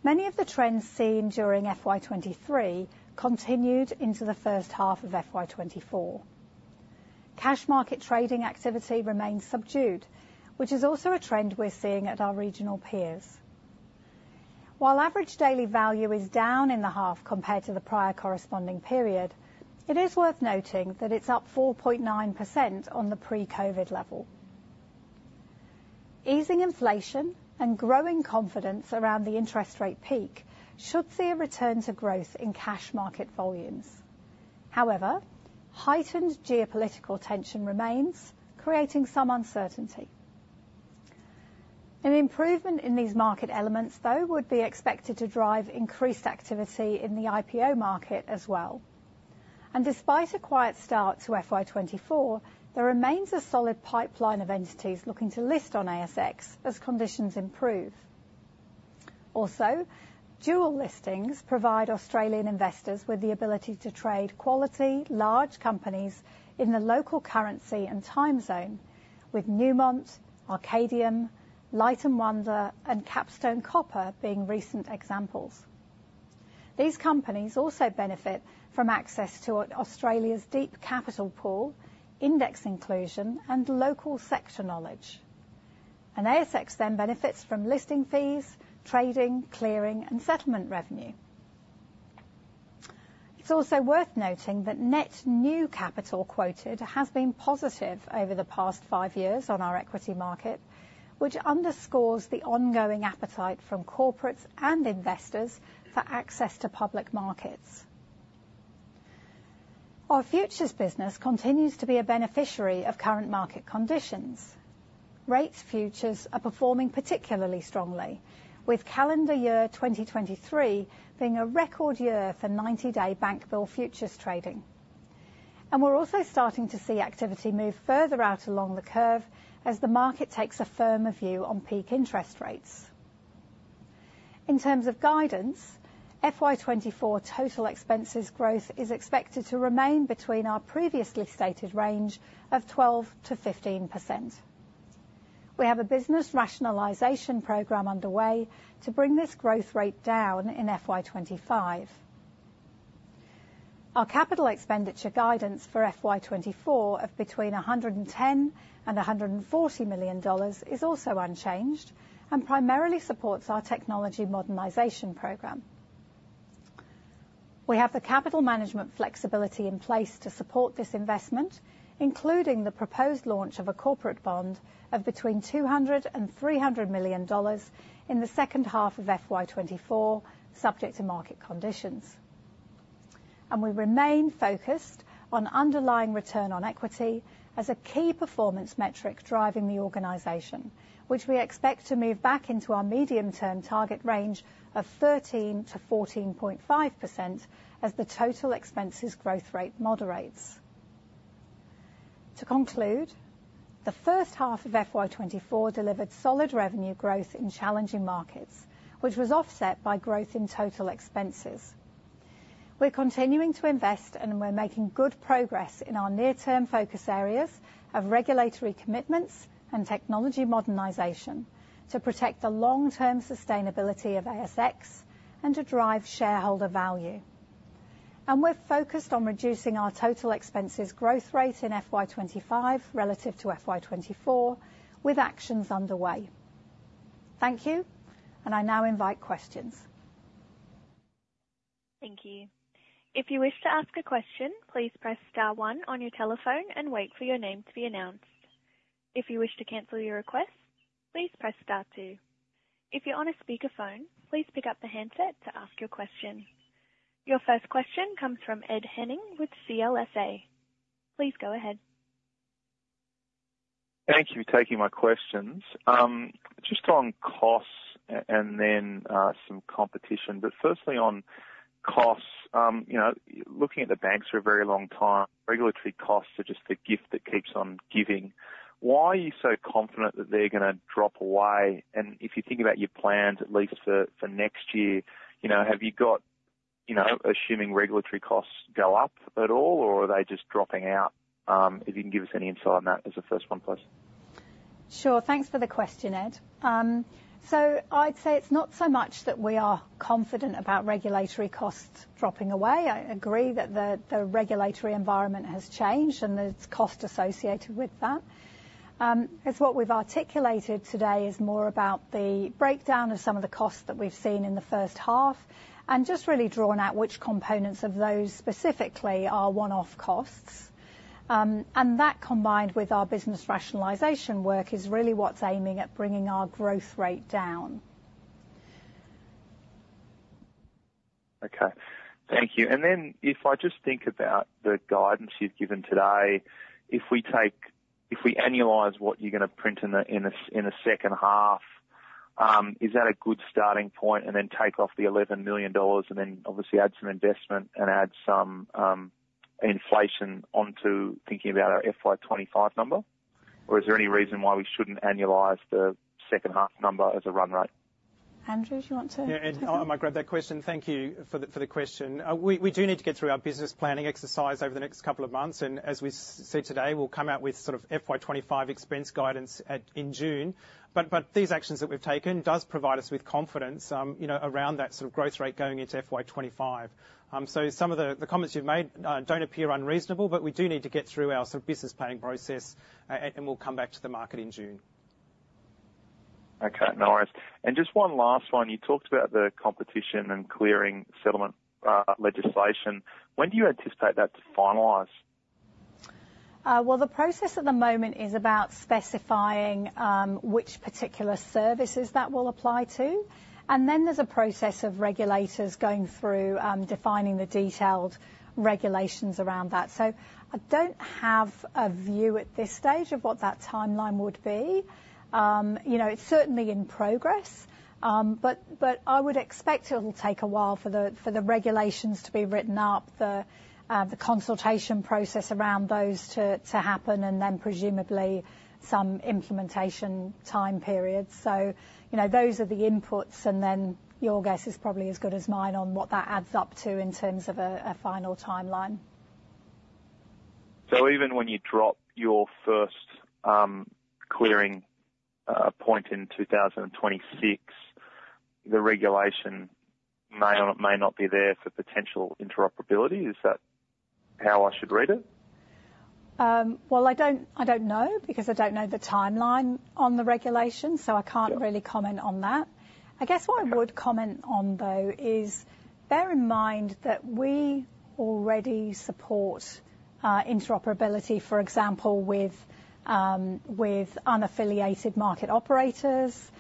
Many of the trends seen during FY 2023 continued into the first half of FY 2024. Cash market trading activity remains subdued, which is also a trend we're seeing at our regional peers. While average daily value is down in the half compared to the prior corresponding period, it is worth noting that it's up 4.9% on the pre-COVID level. Easing inflation and growing confidence around the interest rate peak should see a return to growth in cash market volumes. However, heightened geopolitical tension remains, creating some uncertainty. An improvement in these market elements, though, would be expected to drive increased activity in the IPO market as well. And despite a quiet start to FY 2024, there remains a solid pipeline of entities looking to list on ASX as conditions improve. Also, dual listings provide Australian investors with the ability to trade quality, large companies in the local currency and time zone, with Newmont, Arcadium, Light & Wonder, and Capstone Copper being recent examples. These companies also benefit from access to Australia's deep capital pool, index inclusion, and local sector knowledge. And ASX then benefits from listing fees, trading, clearing, and settlement revenue. It's also worth noting that net new capital quoted has been positive over the past 5 years on our equity market, which underscores the ongoing appetite from corporates and investors for access to public markets. Our futures business continues to be a beneficiary of current market conditions. Rates futures are performing particularly strongly, with calendar year 2023 being a record year for 90-day bank bill futures trading. We're also starting to see activity move further out along the curve as the market takes a firmer view on peak interest rates. In terms of guidance, FY 2024 total expenses growth is expected to remain between our previously stated range of 12%-15%. We have a business rationalization program underway to bring this growth rate down in FY 2025. Our capital expenditure guidance for FY 2024 of between 110 million-140 million dollars is also unchanged and primarily supports our technology modernization program. We have the capital management flexibility in place to support this investment, including the proposed launch of a corporate bond of between 200 million dollars and AUD 300 million in the second half of FY 2024, subject to market conditions. We remain focused on underlying return on equity as a key performance metric driving the organization, which we expect to move back into our medium-term target range of 13%-14.5% as the total expenses growth rate moderates. To conclude, the first half of FY 2024 delivered solid revenue growth in challenging markets, which was offset by growth in total expenses. We're continuing to invest, and we're making good progress in our near-term focus areas of regulatory commitments and technology modernization to protect the long-term sustainability of ASX and to drive shareholder value. We're focused on reducing our total expenses growth rate in FY 2025 relative to FY 2024 with actions underway. Thank you, and I now invite questions. Thank you. If you wish to ask a question, please press star one on your telephone and wait for your name to be announced. If you wish to cancel your request, please press star two. If you're on a speakerphone, please pick up the handset to ask your question. Your first question comes from Ed Henning with CLSA. Please go ahead. Thank you for taking my questions. Just on costs and then some competition. But firstly, on costs, looking at the banks for a very long time, regulatory costs are just the gift that keeps on giving. Why are you so confident that they're going to drop away? And if you think about your plans, at least for next year, have you got assuming regulatory costs go up at all, or are they just dropping out? If you can give us any insight on that as a first one person. Sure. Thanks for the question, Ed. So I'd say it's not so much that we are confident about regulatory costs dropping away. I agree that the regulatory environment has changed and the cost associated with that. As what we've articulated today is more about the breakdown of some of the costs that we've seen in the first half and just really drawn out which components of those specifically are one-off costs. And that combined with our business rationalization work is really what's aiming at bringing our growth rate down. Okay. Thank you. And then if I just think about the guidance you've given today, if we annualize what you're going to print in the second half, is that a good starting point and then take off the 11 million dollars and then obviously add some investment and add some inflation onto thinking about our FY 2025 number? Or is there any reason why we shouldn't annualize the second half number as a run rate? Andrew, do you want to? Yeah, Ed, I might grab that question. Thank you for the question. We do need to get through our business planning exercise over the next couple of months. And as we said today, we'll come out with sort of FY 2025 expense guidance in June. But these actions that we've taken do provide us with confidence around that sort of growth rate going into FY 2025. So some of the comments you've made don't appear unreasonable, but we do need to get through our sort of business planning process, and we'll come back to the market in June. Okay. No worries. Just one last one. You talked about the competition and clearing settlement legislation. When do you anticipate that to finalize? Well, the process at the moment is about specifying which particular services that will apply to. And then there's a process of regulators going through defining the detailed regulations around that. So I don't have a view at this stage of what that timeline would be. It's certainly in progress. But I would expect it'll take a while for the regulations to be written up, the consultation process around those to happen, and then presumably some implementation time period. So those are the inputs, and then your guess is probably as good as mine on what that adds up to in terms of a final timeline. Even when you drop your first clearing point in 2026, the regulation may or may not be there for potential interoperability. Is that how I should read it? Well, I don't know because I don't know the timeline on the regulation, so I can't really comment on that. I guess what I would comment on, though, is bear in mind that we already support interoperability, for example, with unaffiliated market operators,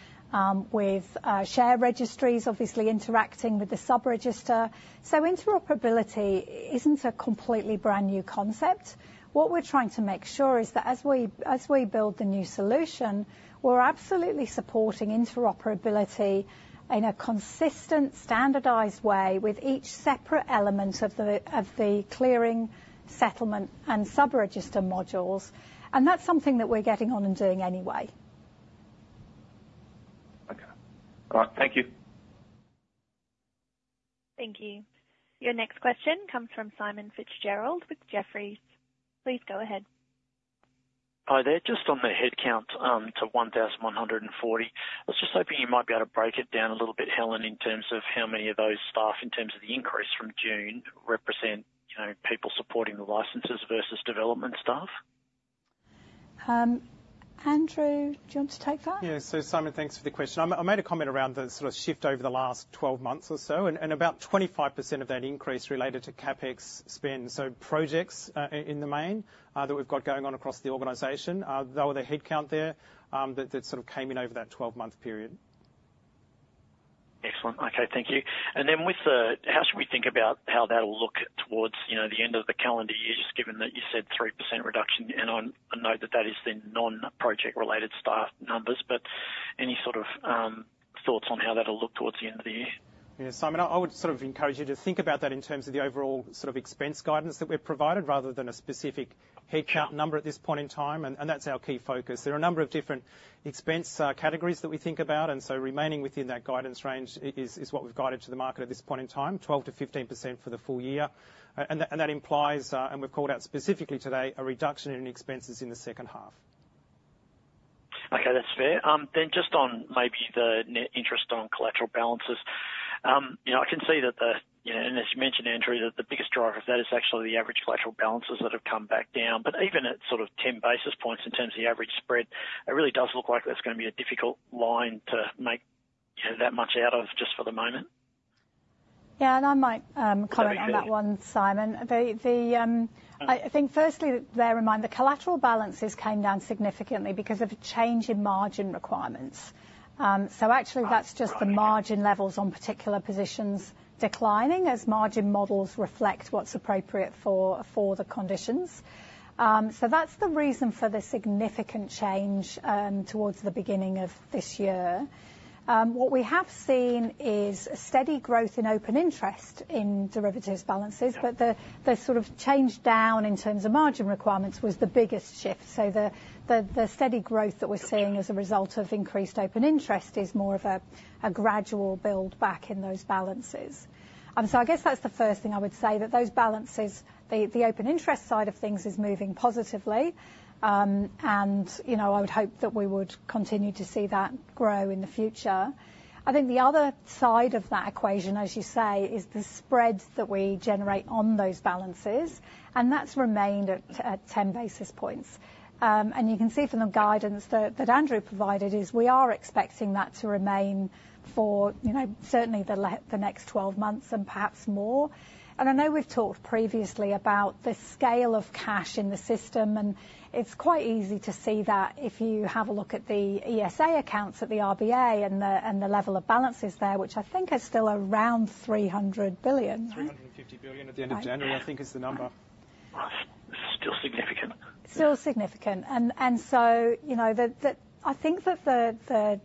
with share registries obviously interacting with the subregister. So interoperability isn't a completely brand new concept. What we're trying to make sure is that as we build the new solution, we're absolutely supporting interoperability in a consistent, standardized way with each separate element of the clearing, settlement, and subregister modules. And that's something that we're getting on and doing anyway. Okay. All right. Thank you. Thank you. Your next question comes from Simon Fitzgerald with Jefferies. Please go ahead. Hi there. Just on the headcount to 1,140. I was just hoping you might be able to break it down a little bit, Helen, in terms of how many of those staff, in terms of the increase from June, represent people supporting the licenses versus development staff? Andrew, do you want to take that? Yeah. So Simon, thanks for the question. I made a comment around the sort of shift over the last 12 months or so. And about 25% of that increase related to CapEx spend, so projects in the main that we've got going on across the organization, that were the headcount there that sort of came in over that 12-month period. Excellent. Okay. Thank you. And then how should we think about how that'll look towards the end of the calendar year, just given that you said 3% reduction? And I note that that is the non-project-related staff numbers. But any sort of thoughts on how that'll look towards the end of the year? Yeah. Simon, I would sort of encourage you to think about that in terms of the overall sort of expense guidance that we've provided rather than a specific headcount number at this point in time. And that's our key focus. There are a number of different expense categories that we think about. And so remaining within that guidance range is what we've guided to the market at this point in time, 12%-15% for the full year. And that implies, and we've called out specifically today, a reduction in expenses in the second half. Okay. That's fair. Then just on maybe the net interest on collateral balances, I can see that as you mentioned, Andrew, that the biggest driver of that is actually the average collateral balances that have come back down. But even at sort of 10 basis points in terms of the average spread, it really does look like that's going to be a difficult line to make that much out of just for the moment. Yeah. I might comment on that one, Simon. I think firstly, bear in mind the collateral balances came down significantly because of a change in margin requirements. Actually, that's just the margin levels on particular positions declining as margin models reflect what's appropriate for the conditions. That's the reason for the significant change towards the beginning of this year. What we have seen is steady growth in open interest in derivatives balances. But the sort of change down in terms of margin requirements was the biggest shift. The steady growth that we're seeing as a result of increased open interest is more of a gradual build back in those balances. I guess that's the first thing I would say, that those balances, the open interest side of things is moving positively. I would hope that we would continue to see that grow in the future. I think the other side of that equation, as you say, is the spread that we generate on those balances. That's remained at 10 basis points. You can see from the guidance that Andrew provided is we are expecting that to remain for certainly the next 12 months and perhaps more. I know we've talked previously about the scale of cash in the system. It's quite easy to see that if you have a look at the ESA accounts at the RBA and the level of balances there, which I think are still around 300 billion. 350 billion at the end of January, I think, is the number. Still significant. Still significant. And so I think that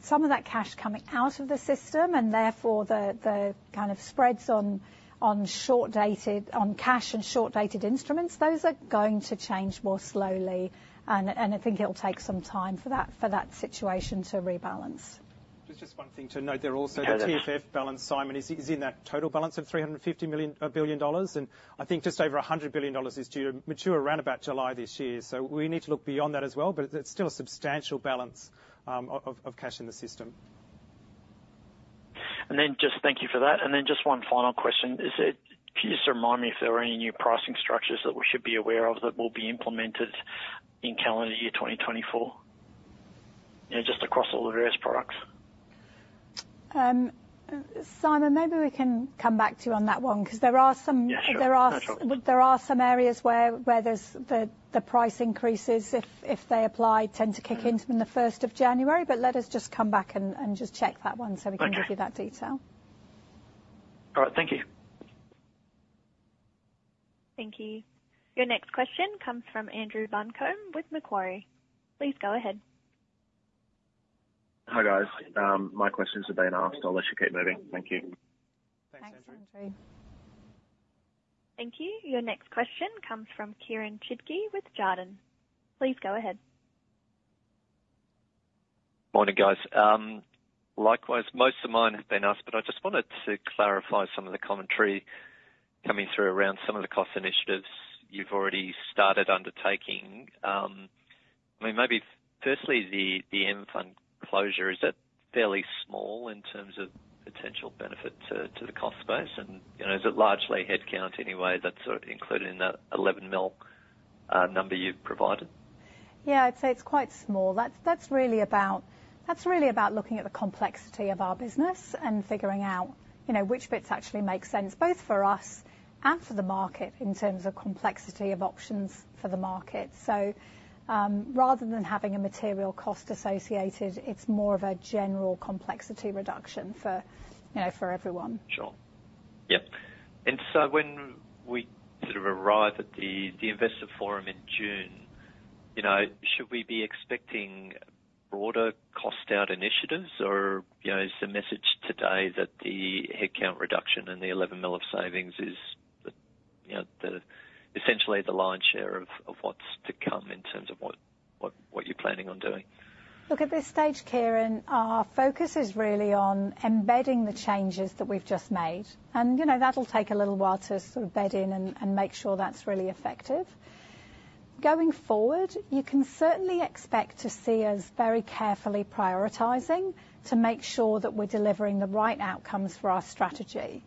some of that cash coming out of the system and therefore the kind of spreads on cash and short-dated instruments, those are going to change more slowly. And I think it'll take some time for that situation to rebalance. There's just one thing to note there also. The TFF balance, Simon, is in that total balance of 350 billion dollars. And I think just over 100 billion dollars is due to mature around about July this year. So we need to look beyond that as well. But it's still a substantial balance of cash in the system. Just thank you for that. Just one final question. Could you just remind me if there are any new pricing structures that we should be aware of that will be implemented in calendar year 2024, just across all the various products? Simon, maybe we can come back to you on that one because there are some. Yeah. Sure. No trouble. There are some areas where the price increases, if they apply, tend to kick in in the January 1st. But let us just come back and just check that one so we can give you that detail. Okay. All right. Thank you. Thank you. Your next question comes from Andrew Buncombe with Macquarie. Please go ahead. Hi guys. My questions have been asked. I'll let you keep moving. Thank you. Thanks, Andrew. Thank you. Your next question comes from Kieren Chidgey with Jarden. Please go ahead. Morning guys. Likewise, most of mine have been asked. But I just wanted to clarify some of the commentary coming through around some of the cost initiatives you've already started undertaking. I mean, maybe firstly, the mFund closure, is that fairly small in terms of potential benefit to the cost base? And is it largely headcount anyway that's included in that 11 million number you've provided? Yeah. I'd say it's quite small. That's really about looking at the complexity of our business and figuring out which bits actually make sense, both for us and for the market in terms of complexity of options for the market. So rather than having a material cost associated, it's more of a general complexity reduction for everyone. Sure. Yep. And so when we sort of arrive at the investor forum in June, should we be expecting broader cost-out initiatives? Or is the message today that the headcount reduction and the 11 million of savings is essentially the lion's share of what's to come in terms of what you're planning on doing? Look, at this stage, Kieren, our focus is really on embedding the changes that we've just made. And that'll take a little while to sort of bed in and make sure that's really effective. Going forward, you can certainly expect to see us very carefully prioritizing to make sure that we're delivering the right outcomes for our strategy.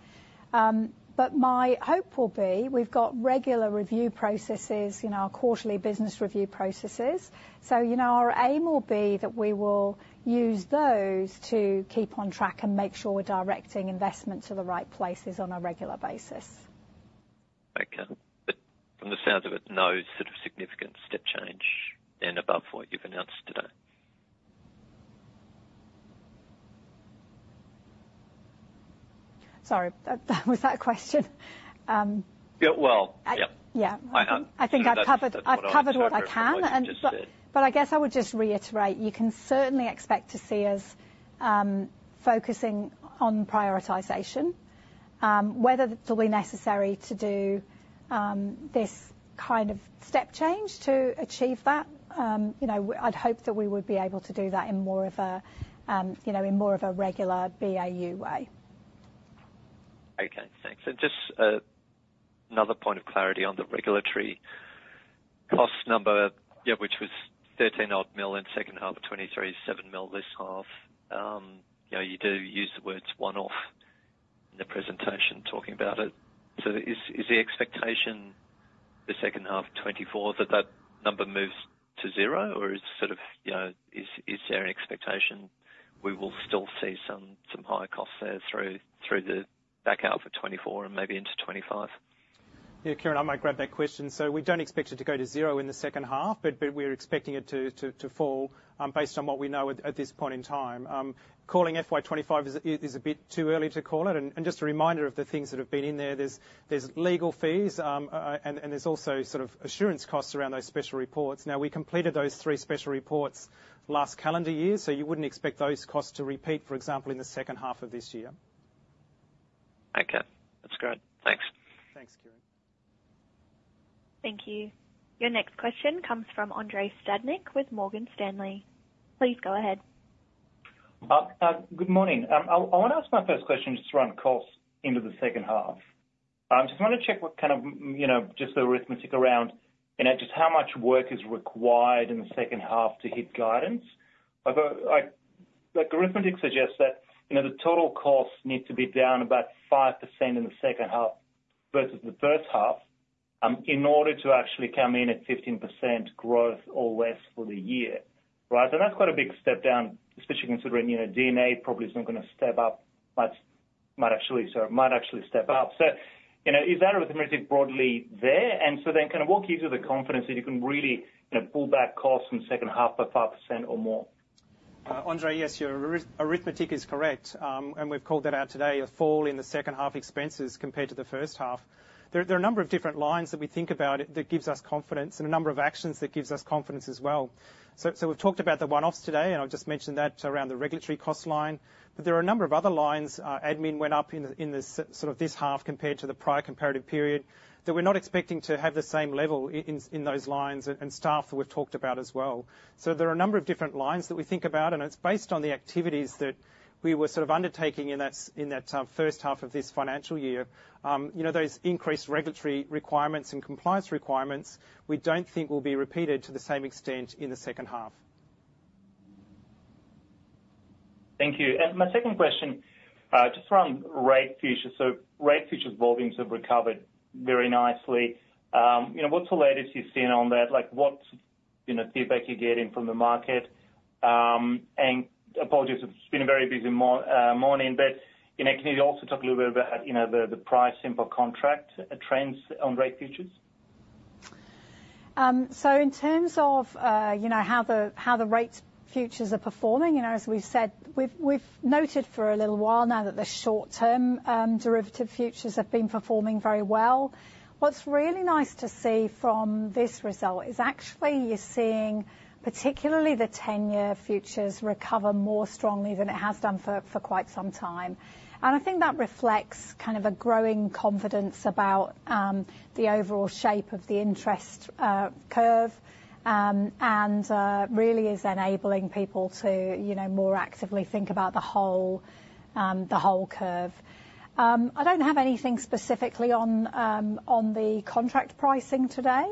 But my hope will be we've got regular review processes; our quarterly business review processes. So, our aim will be that we will use those to keep on track and make sure we're directing investment to the right places on a regular basis. Okay. From the sounds of it, no sort of significant step change then above what you've announced today? Sorry. Was that a question? Yeah. Well, yep. Yeah. I think I've covered what I can. But I guess I would just reiterate, you can certainly expect to see us focusing on prioritization. Whether it'll be necessary to do this kind of step change to achieve that, I'd hope that we would be able to do that in more of a regular BAU way. Okay. Thanks. And just another point of clarity on the regulatory cost number, yeah, which was 13-odd million in second half of 2023, 7 million this half. You do use the words one-off in the presentation talking about it. So is the expectation the second half of 2024 that that number moves to zero? Or is sort of is there an expectation we will still see some higher costs there through the back out for 2024 and maybe into 2025? Yeah. Kieren, I might grab that question. So, we don't expect it to go to zero in the second half, but we're expecting it to fall based on what we know at this point in time. Calling FY 2025 is a bit too early to call it. And just a reminder of the things that have been in there, there's legal fees, and there's also sort of assurance costs around those special reports. Now, we completed those three special reports last calendar year. So, you wouldn't expect those costs to repeat, for example, in the second half of this year. Okay. That's great. Thanks. Thanks, Kieren. Thank you. Your next question comes from Andrei Stadnik with Morgan Stanley. Please go ahead. Good morning. I want to ask my first question just to run costs into the second half. I just want to check what kind of just the arithmetic around just how much work is required in the second half to hit guidance. The arithmetic suggests that the total costs need to be down about 5% in the second half versus the first half in order to actually come in at 15% growth or less for the year, right? And that's quite a big step down, especially considering D&A probably isn't going to step up, might actually, sorry, might actually step up. So is that arithmetic broadly there? And so then kind of what gives you the confidence that you can really pull back costs in the second half by 5% or more? Andrei, yes. Your arithmetic is correct. We've called that out today, a fall in the second half expenses compared to the first half. There are a number of different lines that we think about that gives us confidence and a number of actions that gives us confidence as well. We've talked about the one-offs today. I've just mentioned that around the regulatory cost line. There are a number of other lines. Admin went up in sort of this half compared to the prior comparative period that we're not expecting to have the same level in those lines and staff that we've talked about as well. There are a number of different lines that we think about. It's based on the activities that we were sort of undertaking in that first half of this financial year. Those increased regulatory requirements and compliance requirements, we don't think, will be repeated to the same extent in the second half. Thank you. My second question, just around rate futures. Rate futures volumes have recovered very nicely. What's the latest you've seen on that? What's feedback you're getting from the market? Apologies, it's been a very busy morning. Can you also talk a little bit about the pricing per contract trends on rate futures? So in terms of how the rates futures are performing, as we've said, we've noted for a little while now that the short-term derivative futures have been performing very well. What's really nice to see from this result is actually you're seeing particularly the 10-year futures recover more strongly than it has done for quite some time. And I think that reflects kind of a growing confidence about the overall shape of the interest curve and really is enabling people to more actively think about the whole curve. I don't have anything specifically on the contract pricing today,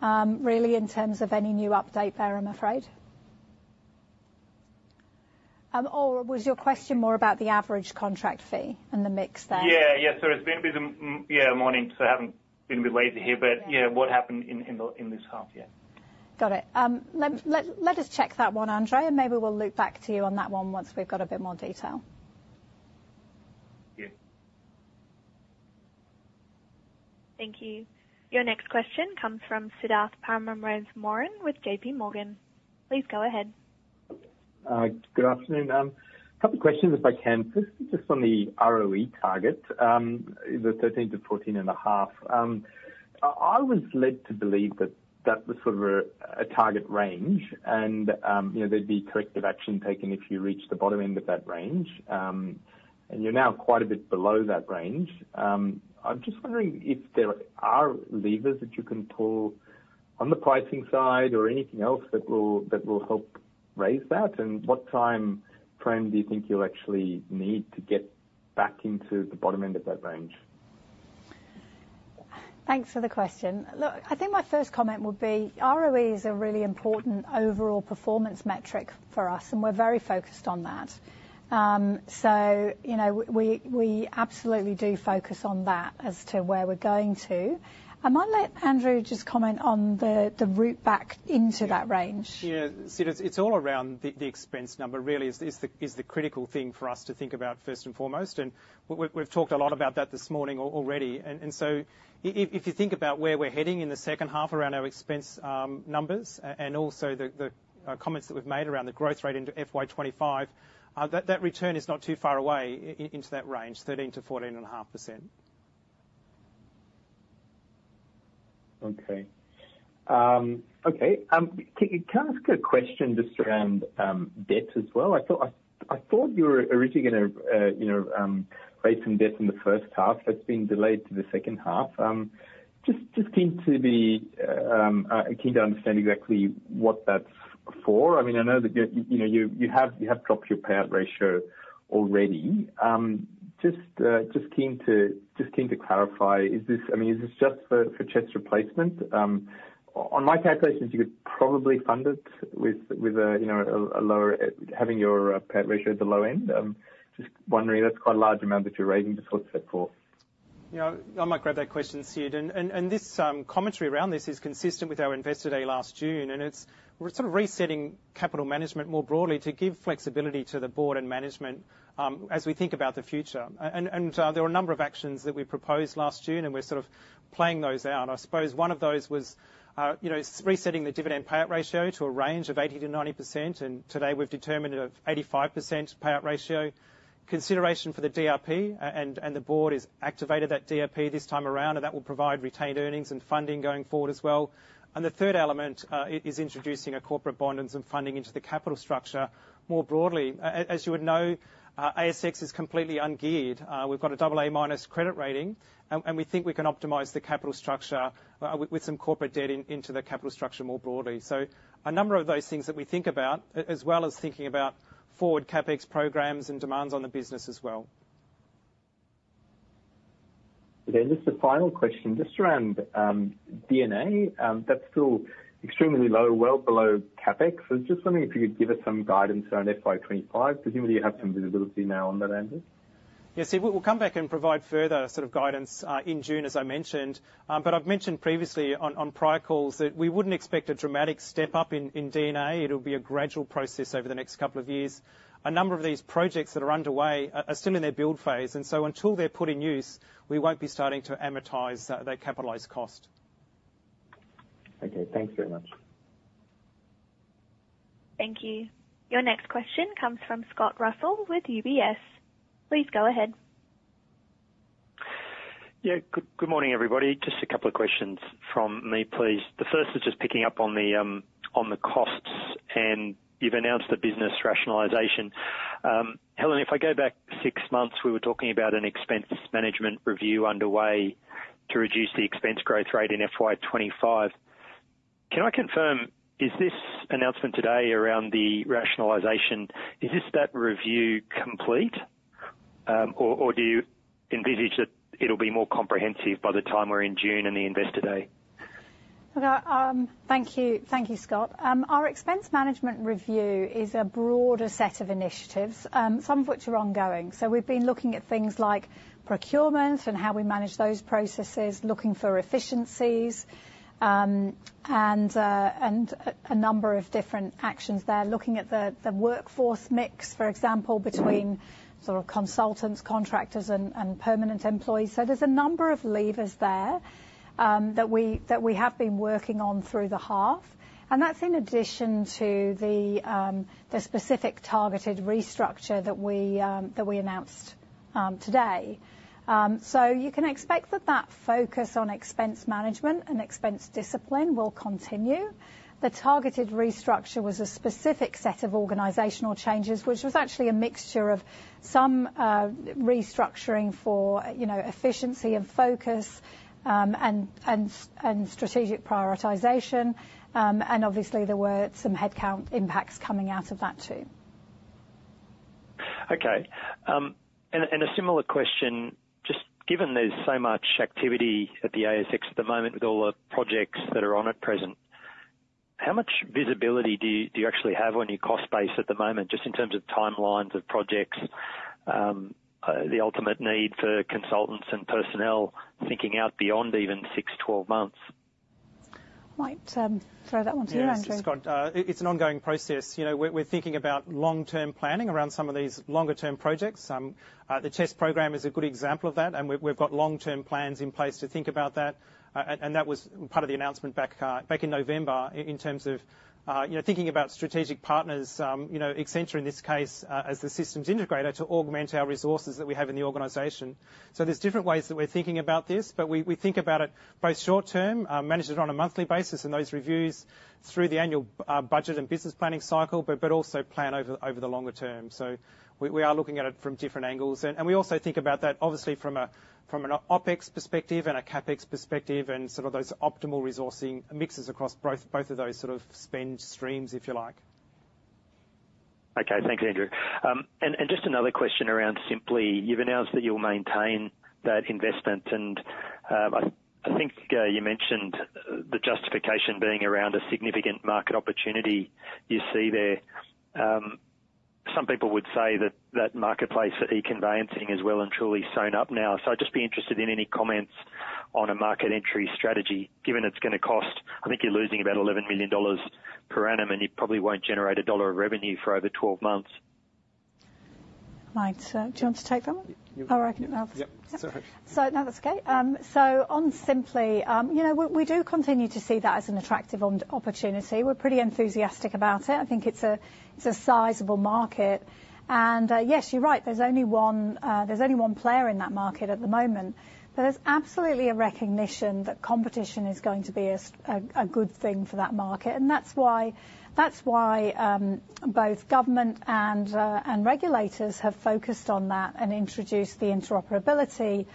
really in terms of any new update there, I'm afraid. Or was your question more about the average contract fee and the mix there? Yeah. Yeah. It's been a bit of a morning. I haven't been a bit lazy here. Yeah, what happened in this half year? Got it. Let us check that one, Andrei. Maybe we'll loop back to you on that one once we've got a bit more detail. Yeah. Thank you. Your next question comes from Siddharth Parameswaran with JPMorgan. Please go ahead. Good afternoon. A couple of questions, if I can. Firstly, just on the ROE target, the 13%-14.5%. I was led to believe that that was sort of a target range. And there'd be corrective action taken if you reached the bottom end of that range. And you're now quite a bit below that range. I'm just wondering if there are levers that you can pull on the pricing side or anything else that will help raise that. And what time frame do you think you'll actually need to get back into the bottom end of that range? Thanks for the question. Look, I think my first comment would be ROE is a really important overall performance metric for us. We're very focused on that. We absolutely do focus on that as to where we're going to. I'll let Andrew just comment on the route back into that range. Yeah. See, it's all around the expense number, really, is the critical thing for us to think about first and foremost. And we've talked a lot about that this morning already. And so if you think about where we're heading in the second half around our expense numbers and also the comments that we've made around the growth rate into FY 2025, that return is not too far away into that range, 13%-14.5%. Okay. Can I ask a question just around debt as well? I thought you were originally going to raise some debt in the first half. That's been delayed to the second half. Just keen to understand exactly what that's for. I mean, I know that you have dropped your payout ratio already. Just keen to clarify, I mean, is this just for CHESS Replacement? On my calculations, you could probably fund it with a lower having your payout ratio at the low end. Just wondering, that's quite a large amount that you're raising. Just what's that for? Yeah. I might grab that question, Sid. This commentary around this is consistent with our Investor Day last June. It's sort of resetting capital management more broadly to give flexibility to the board and management as we think about the future. There were a number of actions that we proposed last June. We're sort of playing those out. I suppose one of those was resetting the dividend payout ratio to a range of 80%-90%. Today, we've determined an 85% payout ratio. Consideration for the DRP. The board has activated that DRP this time around. That will provide retained earnings and funding going forward as well. The third element is introducing a corporate bond and some funding into the capital structure more broadly. As you would know, ASX is completely ungeared. We've got a AA- credit rating. We think we can optimize the capital structure with some corporate debt into the capital structure more broadly. A number of those things that we think about as well as thinking about forward CapEx programs and demands on the business as well. Okay. And just a final question, just around D&A. That's still extremely low, well below CapEx. I was just wondering if you could give us some guidance around FY 2025. Presumably, you have some visibility now on that, Andrew. Yeah. See, we'll come back and provide further sort of guidance in June, as I mentioned. But I've mentioned previously on prior calls that we wouldn't expect a dramatic step up in D&A. It'll be a gradual process over the next couple of years. A number of these projects that are underway are still in their build phase. And so until they're put in use, we won't be starting to amortize that capitalized cost. Okay. Thanks very much. Thank you. Your next question comes from Scott Russell with UBS. Please go ahead. Yeah. Good morning, everybody. Just a couple of questions from me, please. The first is just picking up on the costs. And you've announced the business rationalization. Helen, if I go back six months, we were talking about an expense management review underway to reduce the expense growth rate in FY 2025. Can I confirm, is this announcement today around the rationalization, is this that review complete? Or do you envisage that it'll be more comprehensive by the time we're in June and the Investor Day? Thank you, Scott. Our expense management review is a broader set of initiatives, some of which are ongoing. So we've been looking at things like procurements and how we manage those processes, looking for efficiencies, and a number of different actions there, looking at the workforce mix, for example, between sort of consultants, contractors, and permanent employees. So there's a number of levers there that we have been working on through the half. And that's in addition to the specific targeted restructure that we announced today. So you can expect that that focus on expense management and expense discipline will continue. The targeted restructure was a specific set of organizational changes, which was actually a mixture of some restructuring for efficiency and focus and strategic prioritization. And obviously, there were some headcount impacts coming out of that too. Okay. And a similar question, just given there's so much activity at the ASX at the moment with all the projects that are on at present, how much visibility do you actually have on your cost base at the moment just in terms of timelines of projects, the ultimate need for consultants and personnel thinking out beyond even six, 12 months? Might throw that one to you, Andrew. Yeah. Scott, it's an ongoing process. We're thinking about long-term planning around some of these longer-term projects. The CHESS program is a good example of that. And we've got long-term plans in place to think about that. And that was part of the announcement back in November in terms of thinking about strategic partners, Accenture in this case as the systems integrator to augment our resources that we have in the organization. So there's different ways that we're thinking about this. But we think about it both short-term, manage it on a monthly basis in those reviews through the annual budget and business planning cycle, but also plan over the longer term. So we are looking at it from different angles. We also think about that, obviously, from an OpEx perspective and a CapEx perspective and sort of those optimal resourcing mixes across both of those sort of spend streams, if you like. Okay. Thanks, Andrew. And just another question around Sympli, you've announced that you'll maintain that investment. And I think you mentioned the justification being around a significant market opportunity you see there. Some people would say that marketplace for e-conveyancing is well and truly sewn up now. So I'd just be interested in any comments on a market entry strategy given it's going to cost I think you're losing about 11 million dollars per annum. And you probably won't generate a dollar of revenue for over 12 months. Mike, do you want to take that one? I'll wrap it up. Yeah. Sorry. Sorry. No, that's okay. So on Sympli, we do continue to see that as an attractive opportunity. We're pretty enthusiastic about it. I think it's a sizable market. And yes, you're right. There's only one player in that market at the moment. But there's absolutely a recognition that competition is going to be a good thing for that market. And that's why both government and regulators have focused on that and introduced the interoperability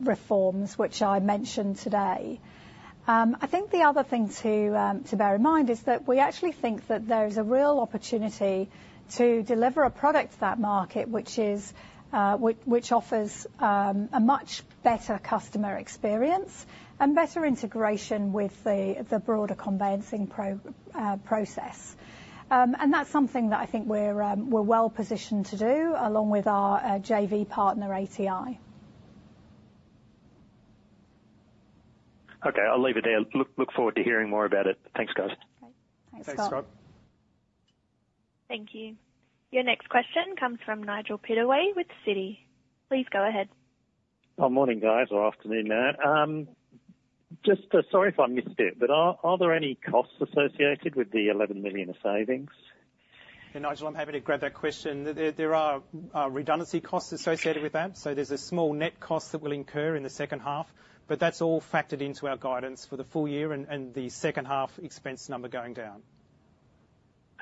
reforms, which I mentioned today. I think the other thing to bear in mind is that we actually think that there is a real opportunity to deliver a product to that market which offers a much better customer experience and better integration with the broader conveyancing process. And that's something that I think we're well positioned to do along with our JV partner, ATI. Okay. I'll leave it there. Look forward to hearing more about it. Thanks, guys. Okay. Thanks, Scott. Thanks, Scott. Thank you. Your next question comes from Nigel Pittaway with Citi. Please go ahead. Good morning, guys, or afternoon, there. Just sorry if I missed it. But are there any costs associated with the 11 million of savings? Yeah. Nigel, I'm happy to grab that question. There is redundancy costs associated with that. So there's a small net cost that will incur in the second half. But that's all factored into our guidance for the full year and the second half expense number going down.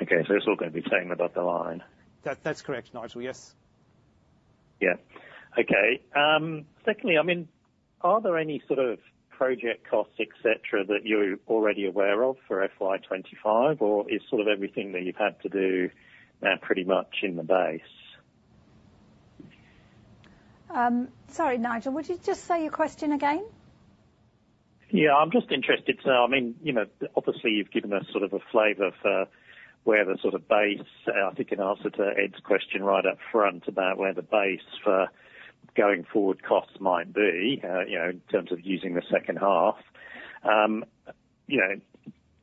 Okay. So it's all going to be same above the line? That's correct, Nigel. Yes. Yeah. Okay. Secondly, I mean, are there any sort of project costs, etc., that you're already aware of for FY 2025? Or is sort of everything that you've had to do now pretty much in the base? Sorry, Nigel. Would you just say your question again? Yeah. I'm just interested. So I mean, obviously, you've given us sort of a flavor for where the sort of base, I think you answered to Ed's question right up front about where the base for going forward costs might be in terms of using the second half.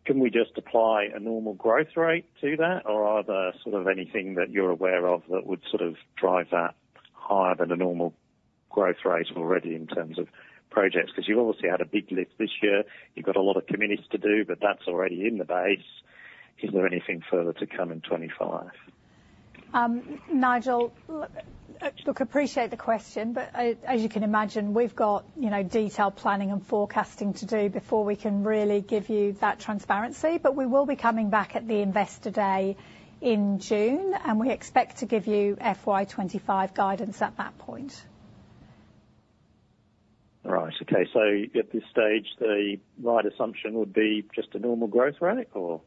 Can we just apply a normal growth rate to that? Or are there sort of anything that you're aware of that would sort of drive that higher than a normal growth rate already in terms of projects? Because you've obviously had a big lift this year. You've got a lot of commitments to do. But that's already in the base. Is there anything further to come in 2025? Nigel, look, appreciate the question. But as you can imagine, we've got detailed planning and forecasting to do before we can really give you that transparency. But we will be coming back at the Investor Day in June. And we expect to give you FY 2025 guidance at that point. Right. Okay. So at this stage, the right assumption would be just a normal growth rate, or?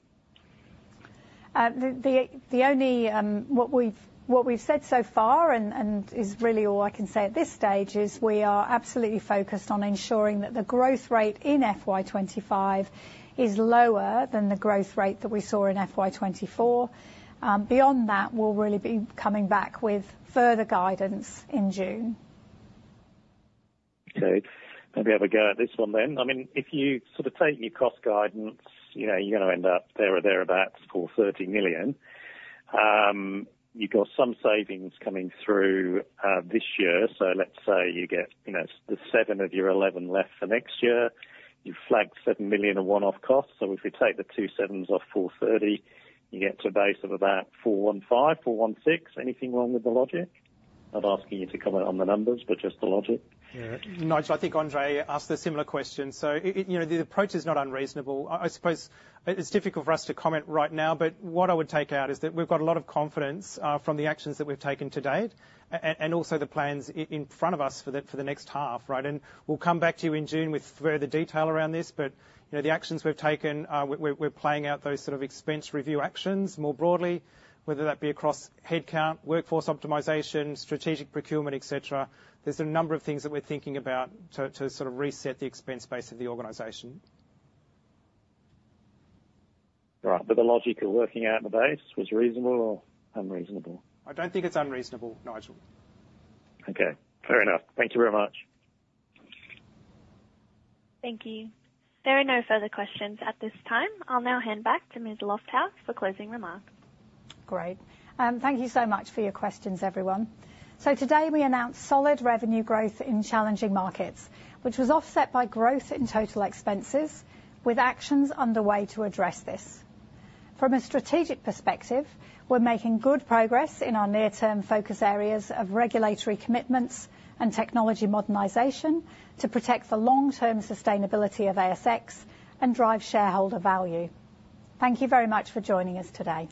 The only thing we've said so far, and that is really all I can say at this stage, is we are absolutely focused on ensuring that the growth rate in FY 2025 is lower than the growth rate that we saw in FY 2024. Beyond that, we'll really be coming back with further guidance in June. Okay. Let me have a go at this one then. I mean, if you sort of take your cost guidance, you're going to end up there or thereabouts for 30 million. You've got some savings coming through this year. So let's say you get the seven of your 11 left for next year. You flag 7 million of one-off costs. So if we take the two sevens off 430 million, you get to a base of about 415, 416. Anything wrong with the logic? Not asking you to comment on the numbers, but just the logic. Yeah. Nigel, I think Andre asked a similar question. So the approach is not unreasonable. I suppose it's difficult for us to comment right now. But what I would take out is that we've got a lot of confidence from the actions that we've taken to date and also the plans in front of us for the next half, right? And we'll come back to you in June with further detail around this. But the actions we've taken, we're playing out those sort of expense review actions more broadly, whether that be across headcount, workforce optimization, strategic procurement, etc. There's a number of things that we're thinking about to sort of reset the expense base of the organization. Right. But the logic of working out the base was reasonable or unreasonable? I don't think it's unreasonable, Nigel. Okay. Fair enough. Thank you very much. Thank you. There are no further questions at this time. I'll now hand back to Ms. Lofthouse for closing remarks. Great. Thank you so much for your questions, everyone. Today, we announced solid revenue growth in challenging markets, which was offset by growth in total expenses with actions underway to address this. From a strategic perspective, we're making good progress in our near-term focus areas of regulatory commitments and technology modernization to protect the long-term sustainability of ASX and drive shareholder value. Thank you very much for joining us today.